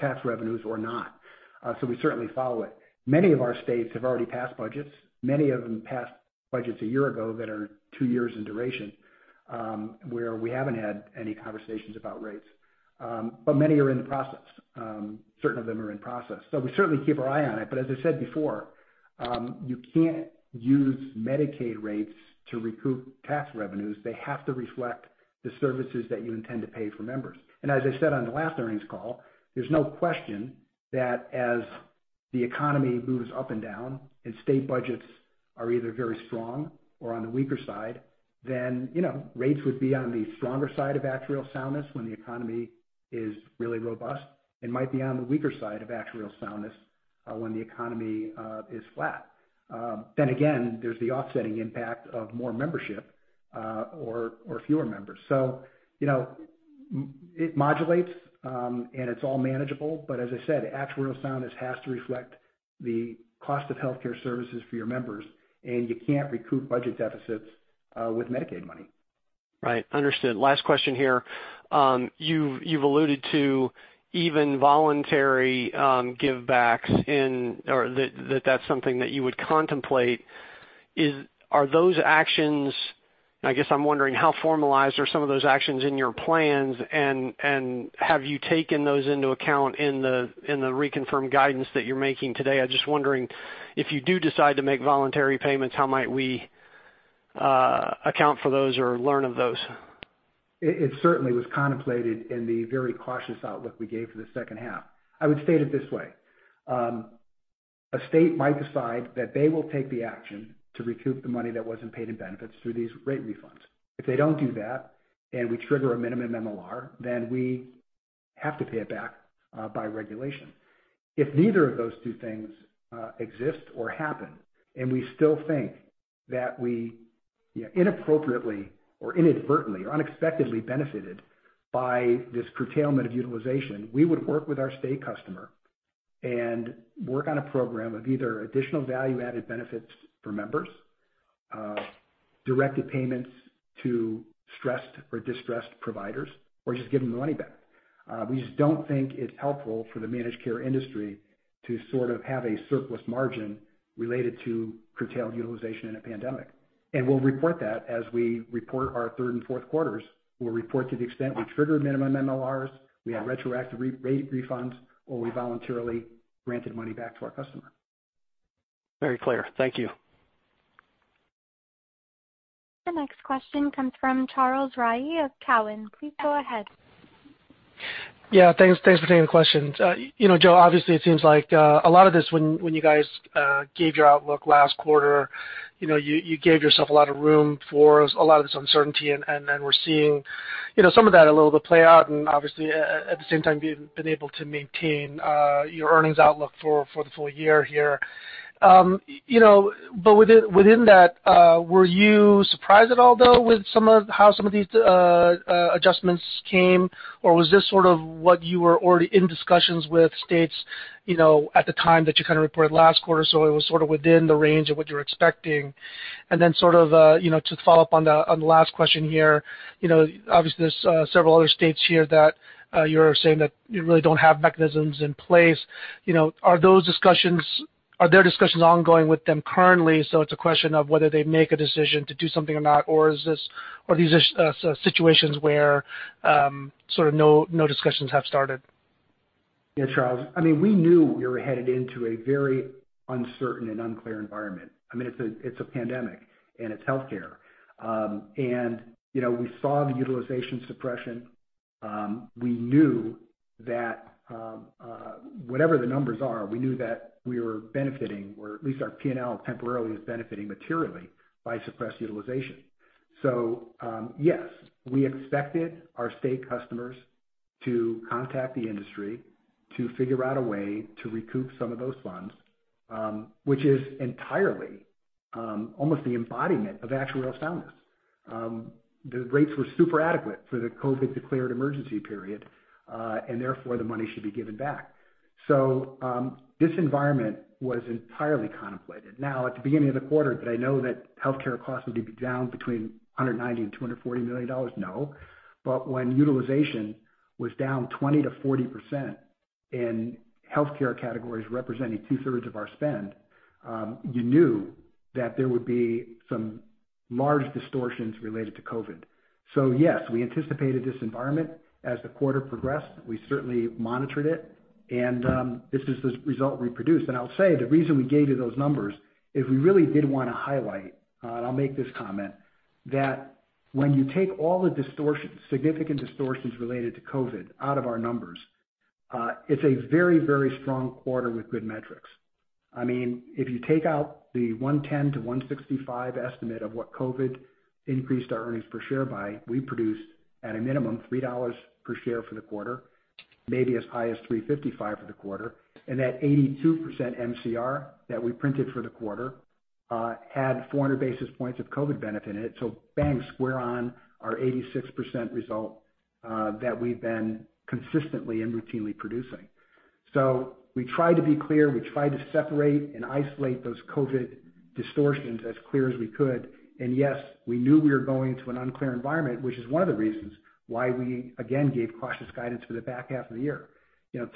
Speaker 3: tax revenues or not. We certainly follow it. Many of our states have already passed budgets. Many of them passed budgets a year ago that are two years in duration, where we haven't had any conversations about rates. Many are in the process. Certain of them are in process. We certainly keep our eye on it, but as I said before, you can't use Medicaid rates to recoup tax revenues. They have to reflect the services that you intend to pay for members. As I said on the last earnings call, there's no question that as the economy moves up and down and state budgets are either very strong or on the weaker side, then rates would be on the stronger side of actuarial soundness when the economy is really robust, and might be on the weaker side of actuarial soundness when the economy is flat. Again, there's the offsetting impact of more membership or fewer members. It modulates, and it's all manageable, but as I said, actuarial soundness has to reflect the cost of healthcare services for your members, and you can't recoup budget deficits with Medicaid money.
Speaker 9: Right. Understood. Last question here. You've alluded to even voluntary give backs or that that's something that you would contemplate. I guess I'm wondering how formalized are some of those actions in your plans, and have you taken those into account in the reconfirmed guidance that you're making today? I'm just wondering, if you do decide to make voluntary payments, how might we account for those or learn of those?
Speaker 3: It certainly was contemplated in the very cautious outlook we gave for the second half. I would state it this way. A state might decide that they will take the action to recoup the money that wasn't paid in benefits through these rate refunds. If they don't do that and we trigger a minimum MLR, then we have to pay it back by regulation. If neither of those two things exist or happen, and we still think that we inappropriately or inadvertently or unexpectedly benefited by this curtailment of utilization, we would work with our state customer and work on a program of either additional value-added benefits for members, directed payments to stressed or distressed providers, or just give them the money back. We just don't think it's helpful for the managed care industry to sort of have a surplus margin related to curtailed utilization in a pandemic. We'll report that as we report our third and fourth quarters. We'll report to the extent we triggered minimum MLRs, we had retroactive refunds, or we voluntarily granted money back to our customer.
Speaker 9: Very clear. Thank you.
Speaker 1: The next question comes from Charles Rhyee of Cowen. Please go ahead.
Speaker 10: Yeah. Thanks for taking the questions. Joe, obviously, it seems like a lot of this, when you guys gave your outlook last quarter, you gave yourself a lot of room for a lot of this uncertainty, and then we're seeing some of that a little bit play out, and obviously, at the same time, being able to maintain your earnings outlook for the full year here. Within that, were you surprised at all, though, with how some of these adjustments came, or was this sort of what you were already in discussions with states at the time that you kind of reported last quarter, so it was sort of within the range of what you were expecting? Sort of to follow up on the last question here, obviously, there's several other states here that you're saying that you really don't have mechanisms in place. Are there discussions ongoing with them currently? It's a question of whether they make a decision to do something or not, or these are situations where sort of no discussions have started?
Speaker 3: Yeah, Charles. We knew we were headed into a very uncertain and unclear environment. It's a pandemic and it's healthcare. We saw the utilization suppression. We knew that whatever the numbers are, we knew that we were benefiting, or at least our P&L temporarily is benefiting materially by suppressed utilization. Yes, we expected our state customers to contact the industry to figure out a way to recoup some of those funds, which is entirely, almost the embodiment of actuarial soundness. The rates were super adequate for the COVID declared emergency period, and therefore the money should be given back. This environment was entirely contemplated. At the beginning of the quarter, did I know that healthcare costs would be down between $190 million and $240 million? No. When utilization was down 20%-40% in healthcare categories representing two-thirds of our spend, you knew that there would be some large distortions related to COVID. Yes, we anticipated this environment as the quarter progressed. We certainly monitored it, and this is the result we produced. I'll say, the reason we gave you those numbers is we really did want to highlight, and I'll make this comment, that when you take all the significant distortions related to COVID out of our numbers, it's a very, very strong quarter with good metrics. If you take out the $1.10-$1.65 estimate of what COVID increased our earnings per share by, we produced at a minimum $3 per share for the quarter, maybe as high as $3.55 for the quarter. That 82% MCR that we printed for the quarter, had 400 basis points of COVID benefit in it. Bang, square on our 86% result that we've been consistently and routinely producing. We tried to be clear, we tried to separate and isolate those COVID distortions as clear as we could. Yes, we knew we were going into an unclear environment, which is one of the reasons why we, again, gave cautious guidance for the back half of the year.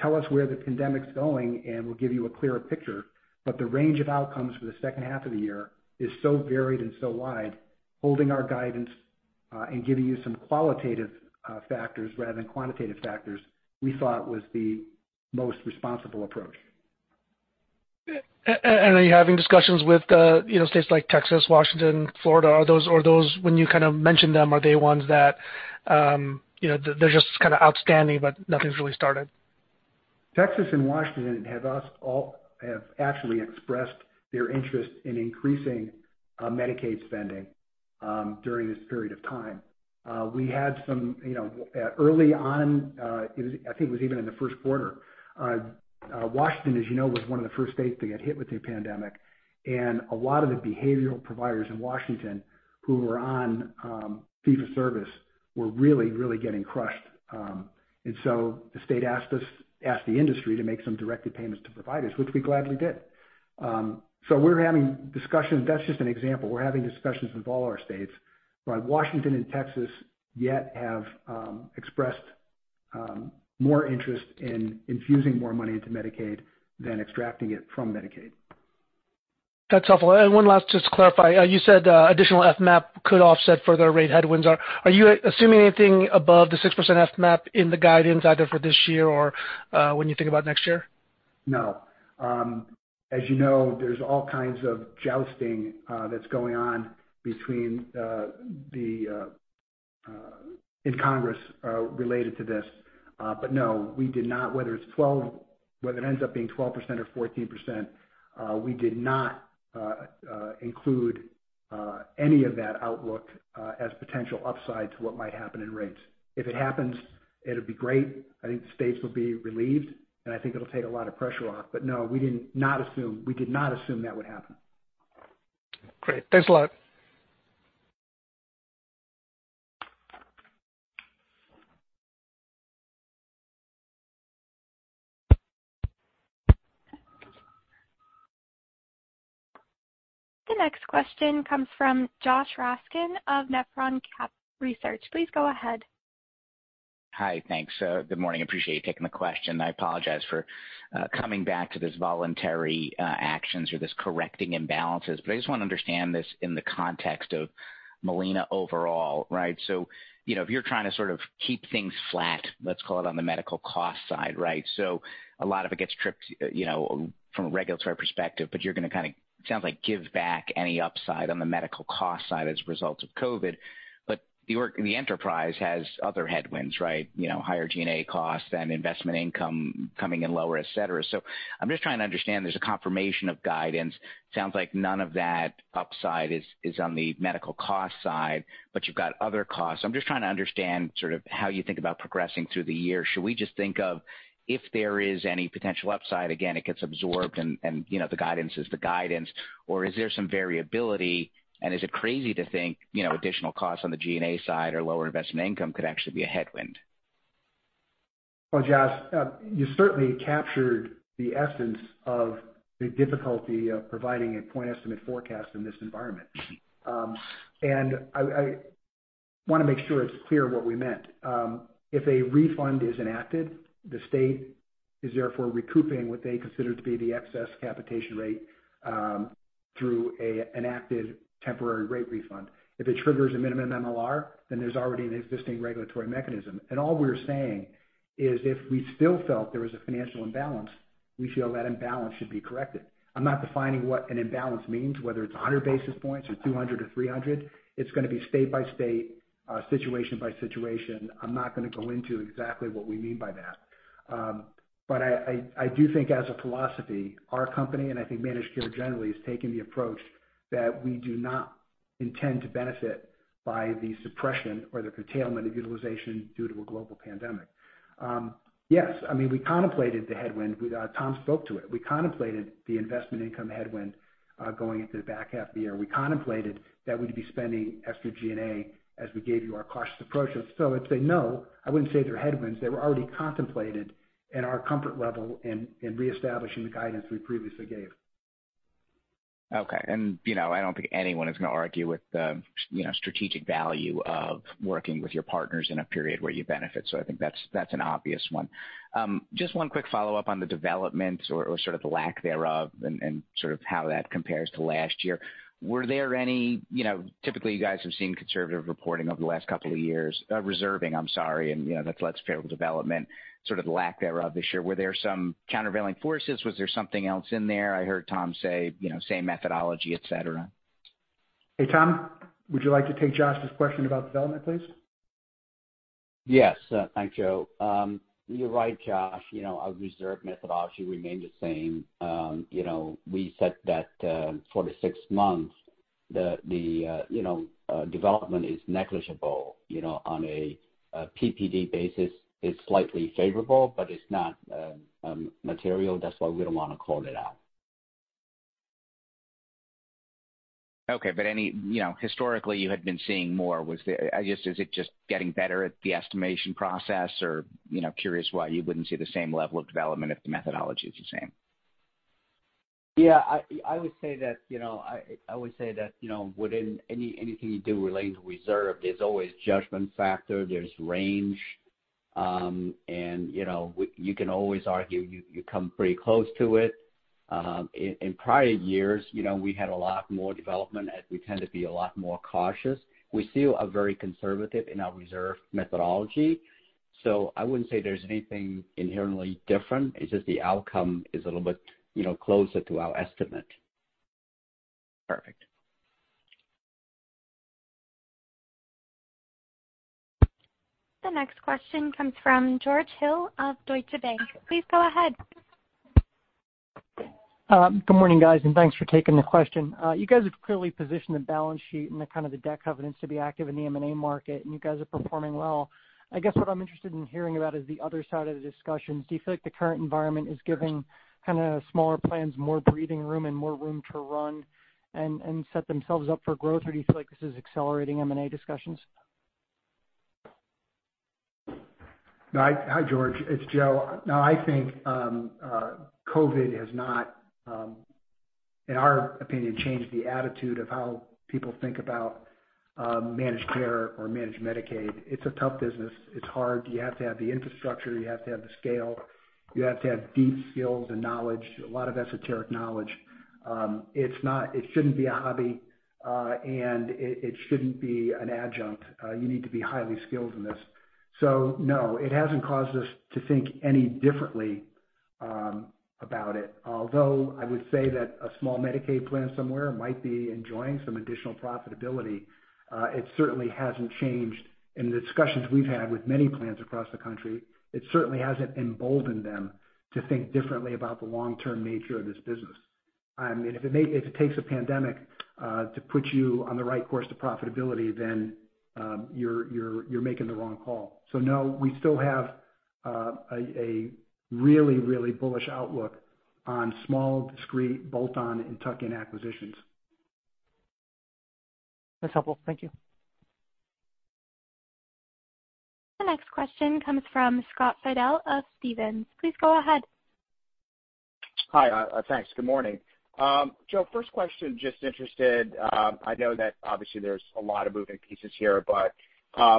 Speaker 3: Tell us where the pandemic's going and we'll give you a clearer picture. The range of outcomes for the second half of the year is so varied and so wide, holding our guidance, and giving you some qualitative factors rather than quantitative factors, we thought was the most responsible approach.
Speaker 10: Are you having discussions with states like Texas, Washington, Florida? When you kind of mention them, are they ones that they're just kind of outstanding, but nothing's really started?
Speaker 3: Texas and Washington have actually expressed their interest in increasing Medicaid spending during this period of time. Early on, I think it was even in the first quarter, Washington, as you know, was one of the first states to get hit with the pandemic. A lot of the behavioral providers in Washington who were on fee for service were really, really getting crushed. The state asked the industry to make some direct payments to providers, which we gladly did. We're having discussions. That's just an example. We're having discussions with all our states. Washington and Texas yet have expressed more interest in infusing more money into Medicaid than extracting it from Medicaid.
Speaker 10: That's helpful. One last, just to clarify. You said additional FMAP could offset further rate headwinds. Are you assuming anything above the 6% FMAP in the guidance either for this year or when you think about next year?
Speaker 3: No. As you know, there's all kinds of jousting that's going on in Congress related to this. No, whether it ends up being 12% or 14%, we did not include any of that outlook as potential upside to what might happen in rates. If it happens, it'll be great. I think the states will be relieved, and I think it'll take a lot of pressure off. No, we did not assume that would happen.
Speaker 10: Great. Thanks a lot.
Speaker 1: The next question comes from Josh Raskin of Nephron Research. Please go ahead.
Speaker 11: Hi, thanks. Good morning. Appreciate you taking the question. I apologize for coming back to this voluntary actions or this correcting imbalances. I just want to understand this in the context of Molina overall, right? If you're trying to sort of keep things flat, let's call it on the medical cost side, right? A lot of it gets tripped from a regulatory perspective, but you're going to kind of, sounds like give back any upside on the medical cost side as a result of COVID. The enterprise has other headwinds, right? Higher G&A costs and investment income coming in lower, et cetera. I'm just trying to understand, there's a confirmation of guidance. Sounds like none of that upside is on the medical cost side, but you've got other costs. I'm just trying to understand sort of how you think about progressing through the year. Should we just think of if there is any potential upside, again, it gets absorbed and the guidance is the guidance, or is there some variability, and is it crazy to think additional costs on the G&A side or lower investment income could actually be a headwind?
Speaker 3: Well, Josh, you certainly captured the essence of the difficulty of providing a point estimate forecast in this environment. I-Want to make sure it's clear what we meant. If a refund is enacted, the state is therefore recouping what they consider to be the excess capitation rate through an active temporary rate refund. If it triggers a minimum MLR, then there's already an existing regulatory mechanism. All we're saying is, if we still felt there was a financial imbalance, we feel that imbalance should be corrected. I'm not defining what an imbalance means, whether it's 100 basis points or 200 or 300. It's going to be state by state, situation by situation. I'm not going to go into exactly what we mean by that. I do think as a philosophy, our company and I think managed care generally has taken the approach that we do not intend to benefit by the suppression or the curtailment of utilization due to a global pandemic. Yes, we contemplated the headwind. Tom spoke to it. We contemplated the investment income headwind, going into the back half of the year. We contemplated that we'd be spending extra G&A as we gave you our cautious approach. If they know, I wouldn't say they're headwinds. They were already contemplated in our comfort level in reestablishing the guidance we previously gave.
Speaker 11: Okay. I don't think anyone is going to argue with the strategic value of working with your partners in a period where you benefit. I think that's an obvious one. Just one quick follow-up on the development or sort of the lack thereof and sort of how that compares to last year. Typically, you guys have seen conservative reporting over the last couple of years. Reserving, I'm sorry, and that's less favorable development, sort of the lack thereof this year. Were there some countervailing forces? Was there something else in there? I heard Tom say same methodology, et cetera.
Speaker 3: Hey, Tom, would you like to take Josh's question about development, please?
Speaker 4: Yes. Thanks, Joe. You're right, Josh. Our reserve methodology remained the same. We said that for the six months, the development is negligible. On a PPD basis, it's slightly favorable, but it's not material. That's why we don't want to call it out.
Speaker 11: Okay, historically, you had been seeing more. Is it just getting better at the estimation process or curious why you wouldn't see the same level of development if the methodology is the same.
Speaker 4: Yeah. I would say that within anything you do relating to reserve, there's always judgment factor, there's range. You can always argue, you come pretty close to it. In prior years, we had a lot more development, as we tend to be a lot more cautious. We still are very conservative in our reserve methodology, so I wouldn't say there's anything inherently different. It's just the outcome is a little bit closer to our estimate.
Speaker 11: Perfect.
Speaker 1: The next question comes from George Hill of Deutsche Bank. Please go ahead.
Speaker 12: Good morning, guys, and thanks for taking the question. You guys have clearly positioned the balance sheet and the kind of the debt covenants to be active in the M&A market, and you guys are performing well. I guess what I'm interested in hearing about is the other side of the discussion. Do you feel like the current environment is giving kind of smaller plans more breathing room and more room to run and set themselves up for growth? Do you feel like this is accelerating M&A discussions?
Speaker 3: Hi, George. It's Joe. No, I think COVID has not, in our opinion, changed the attitude of how people think about managed care or managed Medicaid. It's a tough business. It's hard. You have to have the infrastructure. You have to have the scale. You have to have deep skills and knowledge, a lot of esoteric knowledge. It shouldn't be a hobby, and it shouldn't be an adjunct. You need to be highly skilled in this. No, it hasn't caused us to think any differently about it. Although I would say that a small Medicaid plan somewhere might be enjoying some additional profitability. It certainly hasn't changed in the discussions we've had with many plans across the country. It certainly hasn't emboldened them to think differently about the long-term nature of this business. If it takes a pandemic to put you on the right course to profitability, then you're making the wrong call. No, we still have a really bullish outlook on small, discrete, bolt-on, and tuck-in acquisitions.
Speaker 12: That's helpful. Thank you.
Speaker 1: The next question comes from Scott Fidel of Stephens. Please go ahead.
Speaker 13: Hi. Thanks. Good morning. Joe, first question, just interested. I know that obviously there's a lot of moving pieces here, but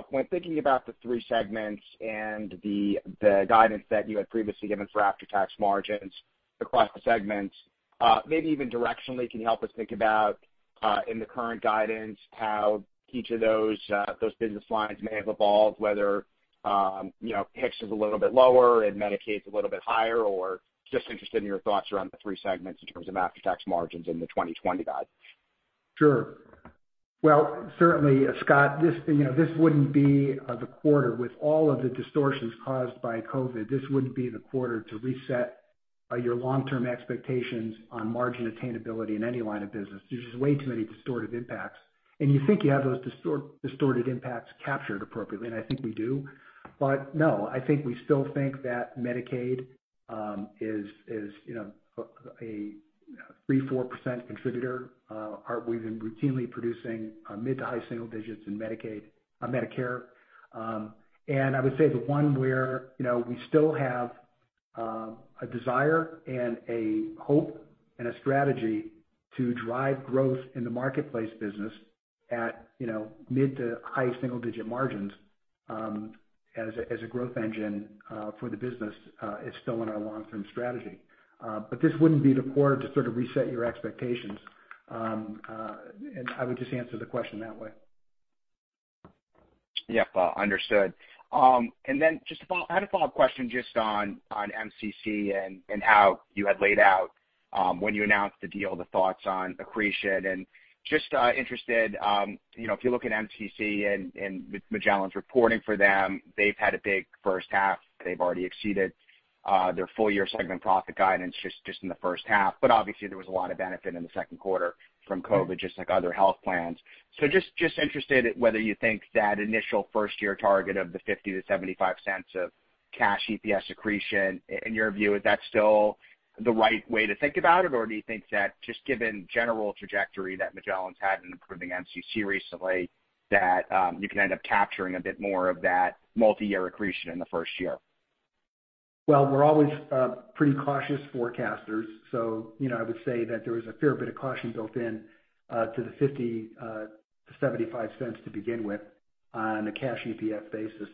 Speaker 13: when thinking about the three segments and the guidance that you had previously given for after-tax margins across the segments, maybe even directionally can you help us think about, in the current guidance, how each of those business lines may have evolved, whether HIX is a little bit lower and Medicaid's a little bit higher? Just interested in your thoughts around the three segments in terms of after-tax margins in the 2020 guide.
Speaker 3: Sure. Well, certainly, Scott, this wouldn't be the quarter with all of the distortions caused by COVID. This wouldn't be the quarter to reset your long-term expectations on margin attainability in any line of business. There's just way too many distorted impacts. You think you have those distorted impacts captured appropriately, and I think we do. No, I think we still think that Medicaid is a 3%, 4% contributor. We've been routinely producing mid to high single digits in Medicare. I would say the one where we still have a desire and a hope and a strategy to drive growth in the marketplace business at mid to high single-digit margins as a growth engine for the business is still in our long-term strategy. This wouldn't be the quarter to sort of reset your expectations. I would just answer the question that way.
Speaker 13: Yep. Understood. I had a follow-up question just on MCC and how you had laid out when you announced the deal, the thoughts on accretion, and just interested, if you look at MCC and with Magellan's reporting for them, they've had a big first half. They've already exceeded their full-year segment profit guidance just in the first half. Obviously, there was a lot of benefit in the second quarter from COVID, just like other health plans. Just interested whether you think that initial first-year target of the 0.50-0.75 of cash EPS accretion, in your view, is that still the right way to think about it? Do you think that just given general trajectory that Magellan's had in improving MCC recently, that you can end up capturing a bit more of that multi-year accretion in the first year?
Speaker 3: Well, we're always pretty cautious forecasters. I would say that there was a fair bit of caution built in to the 0.50-0.75 to begin with on a cash EPS basis.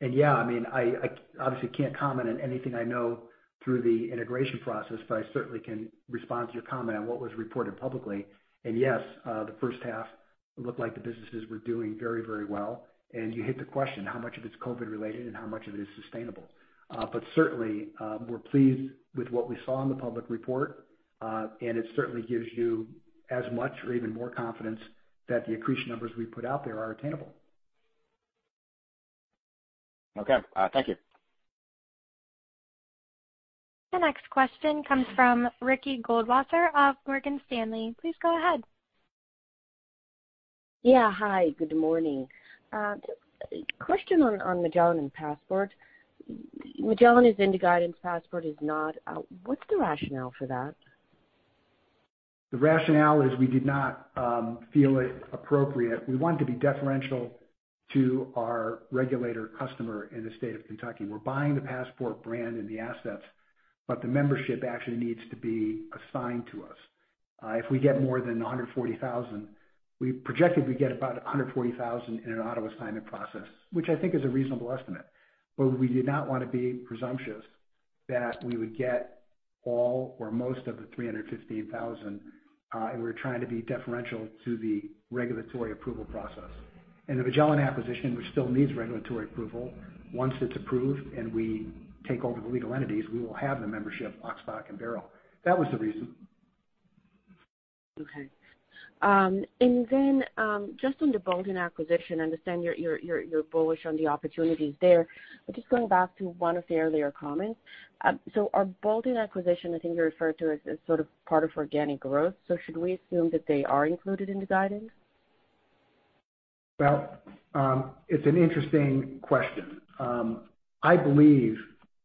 Speaker 3: Yeah, I obviously can't comment on anything I know through the integration process, but I certainly can respond to your comment on what was reported publicly. Yes, the first half looked like the businesses were doing very well. You hit the question, how much of it's COVID related and how much of it is sustainable? Certainly, we're pleased with what we saw in the public report, and it certainly gives you as much or even more confidence that the accretion numbers we put out there are attainable.
Speaker 13: Okay. Thank you.
Speaker 1: The next question comes from Ricky Goldwasser of Morgan Stanley. Please go ahead.
Speaker 14: Yeah. Hi, good morning. Question on Magellan and Passport. Magellan is into guidance, Passport is not. What's the rationale for that?
Speaker 3: The rationale is we did not feel it appropriate. We wanted to be deferential to our regulator customer in the state of Kentucky. We're buying the Passport brand and the assets, but the membership actually needs to be assigned to us. If we get more than 140,000, we projected we'd get about 140,000 in an auto assignment process, which I think is a reasonable estimate. We did not want to be presumptuous that we would get all or most of the 315,000, and we're trying to be deferential to the regulatory approval process. In the Magellan acquisition, which still needs regulatory approval, once it's approved and we take over the legal entities, we will have the membership lock, stock, and barrel. That was the reason.
Speaker 14: Okay. Just on the bolt-on acquisition, I understand you're bullish on the opportunities there, but just going back to one of the earlier comments. Our bolt-on acquisition, I think you referred to as sort of part of organic growth. Should we assume that they are included in the guidance?
Speaker 3: Well, it's an interesting question. I believe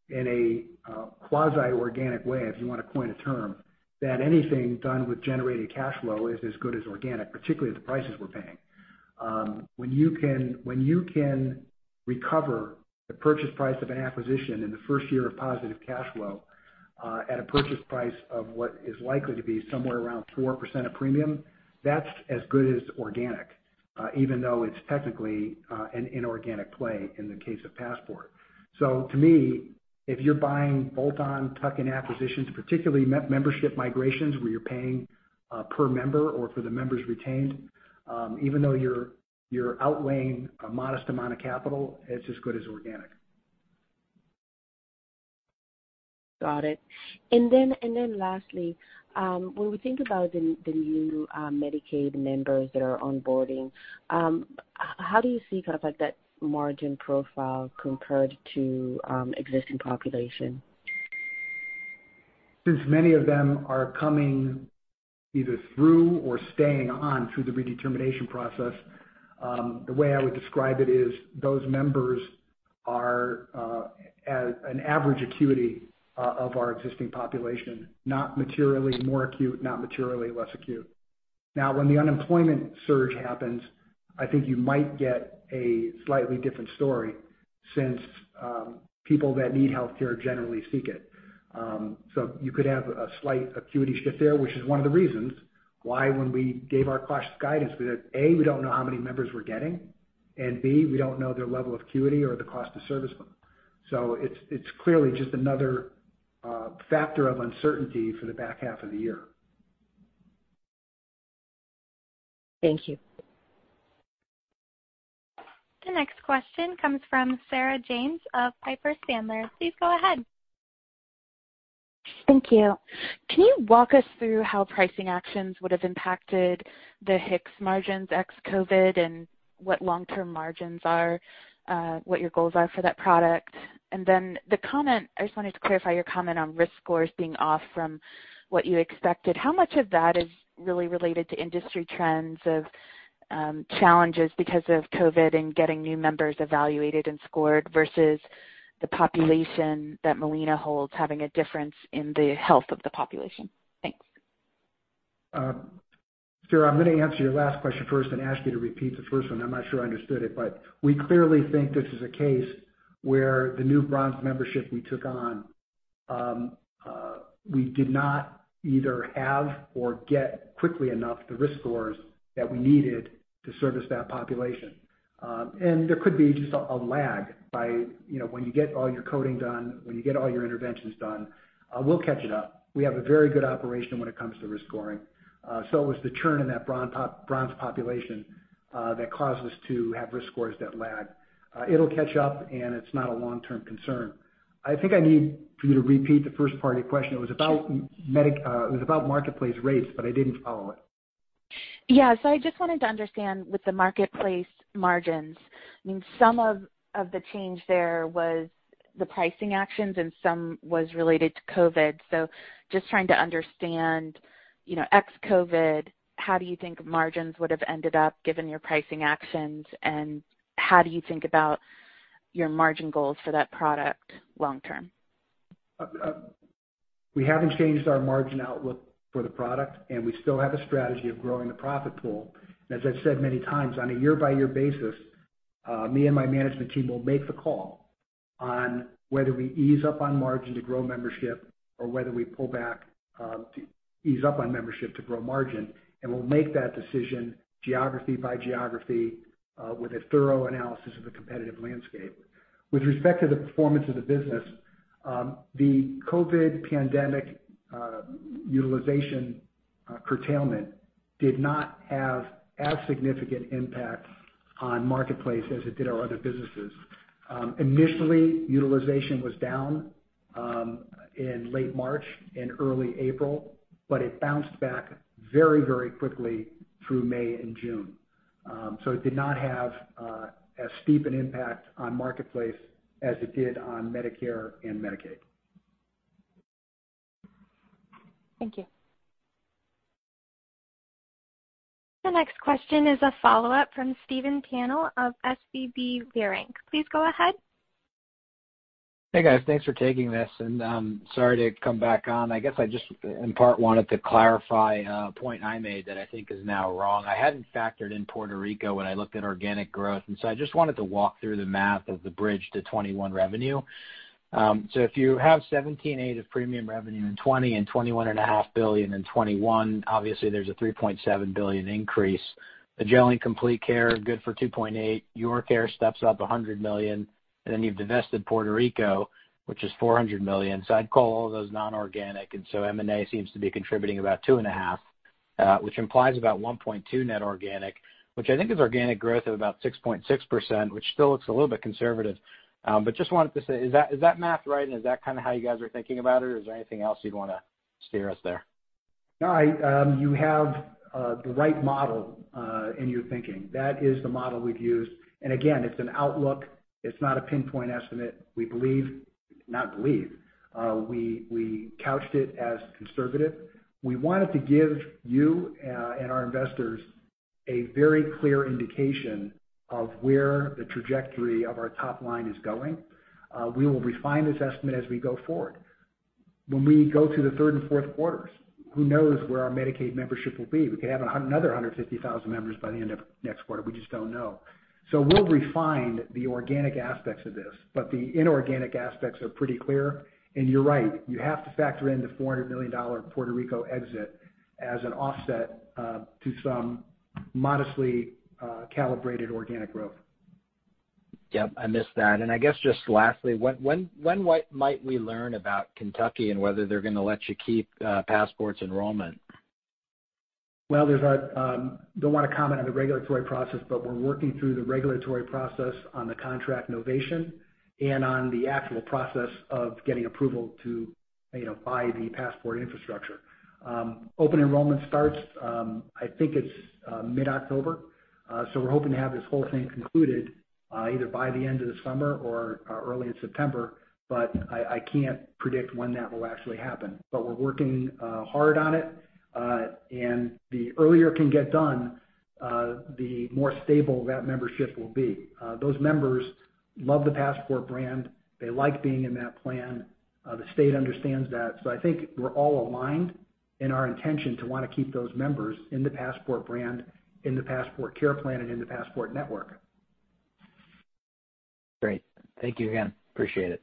Speaker 3: in a quasi-organic way, if you want to coin a term, that anything done with generating cash flow is as good as organic, particularly at the prices we're paying. When you can recover the purchase price of an acquisition in the first year of positive cash flow at a purchase price of what is likely to be somewhere around 4% of premium, that's as good as organic, even though it's technically an inorganic play in the case of Passport. To me, if you're buying bolt-on tuck-in acquisitions, particularly membership migrations, where you're paying per member or for the members retained, even though you're outweighing a modest amount of capital, it's as good as organic.
Speaker 14: Got it. Lastly, when we think about the new Medicaid members that are onboarding, how do you see kind of like that margin profile compared to existing population?
Speaker 3: Since many of them are coming either through or staying on through the redetermination process, the way I would describe it is those members are at an average acuity of our existing population, not materially more acute, not materially less acute. Now, when the unemployment surge happens, I think you might get a slightly different story since people that need healthcare generally seek it. you could have a slight acuity shift there, which is one of the reasons why when we gave our cautious guidance, we said, A, we don't know how many members we're getting, and B, we don't know their level of acuity or the cost to service them. it's clearly just another factor of uncertainty for the back half of the year.
Speaker 14: Thank you.
Speaker 1: The next question comes from Sarah James of Piper Sandler. Please go ahead.
Speaker 15: Thank you. Can you walk us through how pricing actions would have impacted the HIX margins ex-COVID and what long-term margins are, what your goals are for that product? the comment, I just wanted to clarify your comment on risk scores being off from what you expected. How much of that is really related to industry trends of challenges because of COVID and getting new members evaluated and scored versus the population that Molina holds having a difference in the health of the population? Thanks.
Speaker 3: Sarah, I'm going to answer your last question first, then ask you to repeat the first one. I'm not sure I understood it, but we clearly think this is a case where the new bronze membership we took on, we did not either have or get quickly enough the risk scores that we needed to service that population. There could be just a lag by when you get all your coding done, when you get all your interventions done, we'll catch it up. We have a very good operation when it comes to risk scoring. It was the churn in that bronze population that caused us to have risk scores that lag. It'll catch up, and it's not a long-term concern. I think I need for you to repeat the first part of your question. It was about Marketplace rates, but I didn't follow it.
Speaker 15: Yeah. I just wanted to understand with the Marketplace margins, some of the change there was the pricing actions and some was related to COVID. Just trying to understand, ex-COVID, how do you think margins would have ended up given your pricing actions, and how do you think about your margin goals for that product long term?
Speaker 3: We haven't changed our margin outlook for the product, and we still have a strategy of growing the profit pool. As I've said many times, on a year-by-year basis, me and my management team will make the call on whether we ease up on margin to grow membership or whether we pull back to ease up on membership to grow margin. We'll make that decision geography by geography with a thorough analysis of the competitive landscape. With respect to the performance of the business, the COVID pandemic utilization curtailment did not have as significant impact on Marketplace as it did our other businesses. Initially, utilization was down in late March and early April, but it bounced back very quickly through May and June. It did not have as steep an impact on Marketplace as it did on Medicare and Medicaid.
Speaker 15: Thank you.
Speaker 1: The next question is a follow-up from Stephen Baxter of SVB Leerink. Please go ahead.
Speaker 8: Hey, guys. Thanks for taking this, and sorry to come back on. I guess I just, in part, wanted to clarify a point I made that I think is now wrong. I hadn't factored in Puerto Rico when I looked at organic growth, and so I just wanted to walk through the math of the bridge to 2021 revenue. If you have $17.8 billion of premium revenue in 2020 and $21.5 billion in 2021, obviously there's a $3.7 billion increase. The Magellan Complete Care, good for $2.8 billion. YourCare steps up $100 million. You've divested Puerto Rico, which is $400 million. I'd call all those non-organic. M&A seems to be contributing about $2.5 billion, which implies about $1.2 billion net organic, which I think is organic growth of about 6.6%, which still looks a little bit conservative. just wanted to say, is that math right? is that kind of how you guys are thinking about it, or is there anything else you'd want to steer us there?
Speaker 3: No, you have the right model in your thinking. That is the model we've used. Again, it's an outlook. It's not a pinpoint estimate. We believe, not believe, we couched it as conservative. We wanted to give you and our investors a very clear indication of where the trajectory of our top line is going. We will refine this estimate as we go forward. When we go to the third and fourth quarters, who knows where our Medicaid membership will be. We could have another 150,000 members by the end of next quarter. We just don't know. We'll refine the organic aspects of this, but the inorganic aspects are pretty clear. You're right, you have to factor in the $400 million Puerto Rico exit as an offset to some modestly calibrated organic growth.
Speaker 8: Yep, I missed that. I guess just lastly, when might we learn about Kentucky and whether they're going to let you keep Passport's enrollment?
Speaker 3: Well, I don't want to comment on the regulatory process, but we're working through the regulatory process on the contract novation and on the actual process of getting approval to buy the Passport infrastructure. Open enrollment starts, I think it's mid-October. We're hoping to have this whole thing concluded either by the end of this summer or early in September, but I can't predict when that will actually happen. We're working hard on it. The earlier it can get done, the more stable that membership will be. Those members love the Passport brand. They like being in that plan. The state understands that. I think we're all aligned in our intention to want to keep those members in the Passport brand, in the Passport Care plan, and in the Passport network.
Speaker 8: Great. Thank you again. Appreciate it.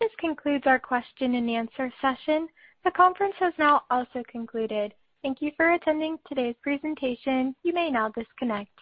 Speaker 1: This concludes our question and answer session. The conference has now also concluded. Thank you for attending today's presentation. You may now disconnect.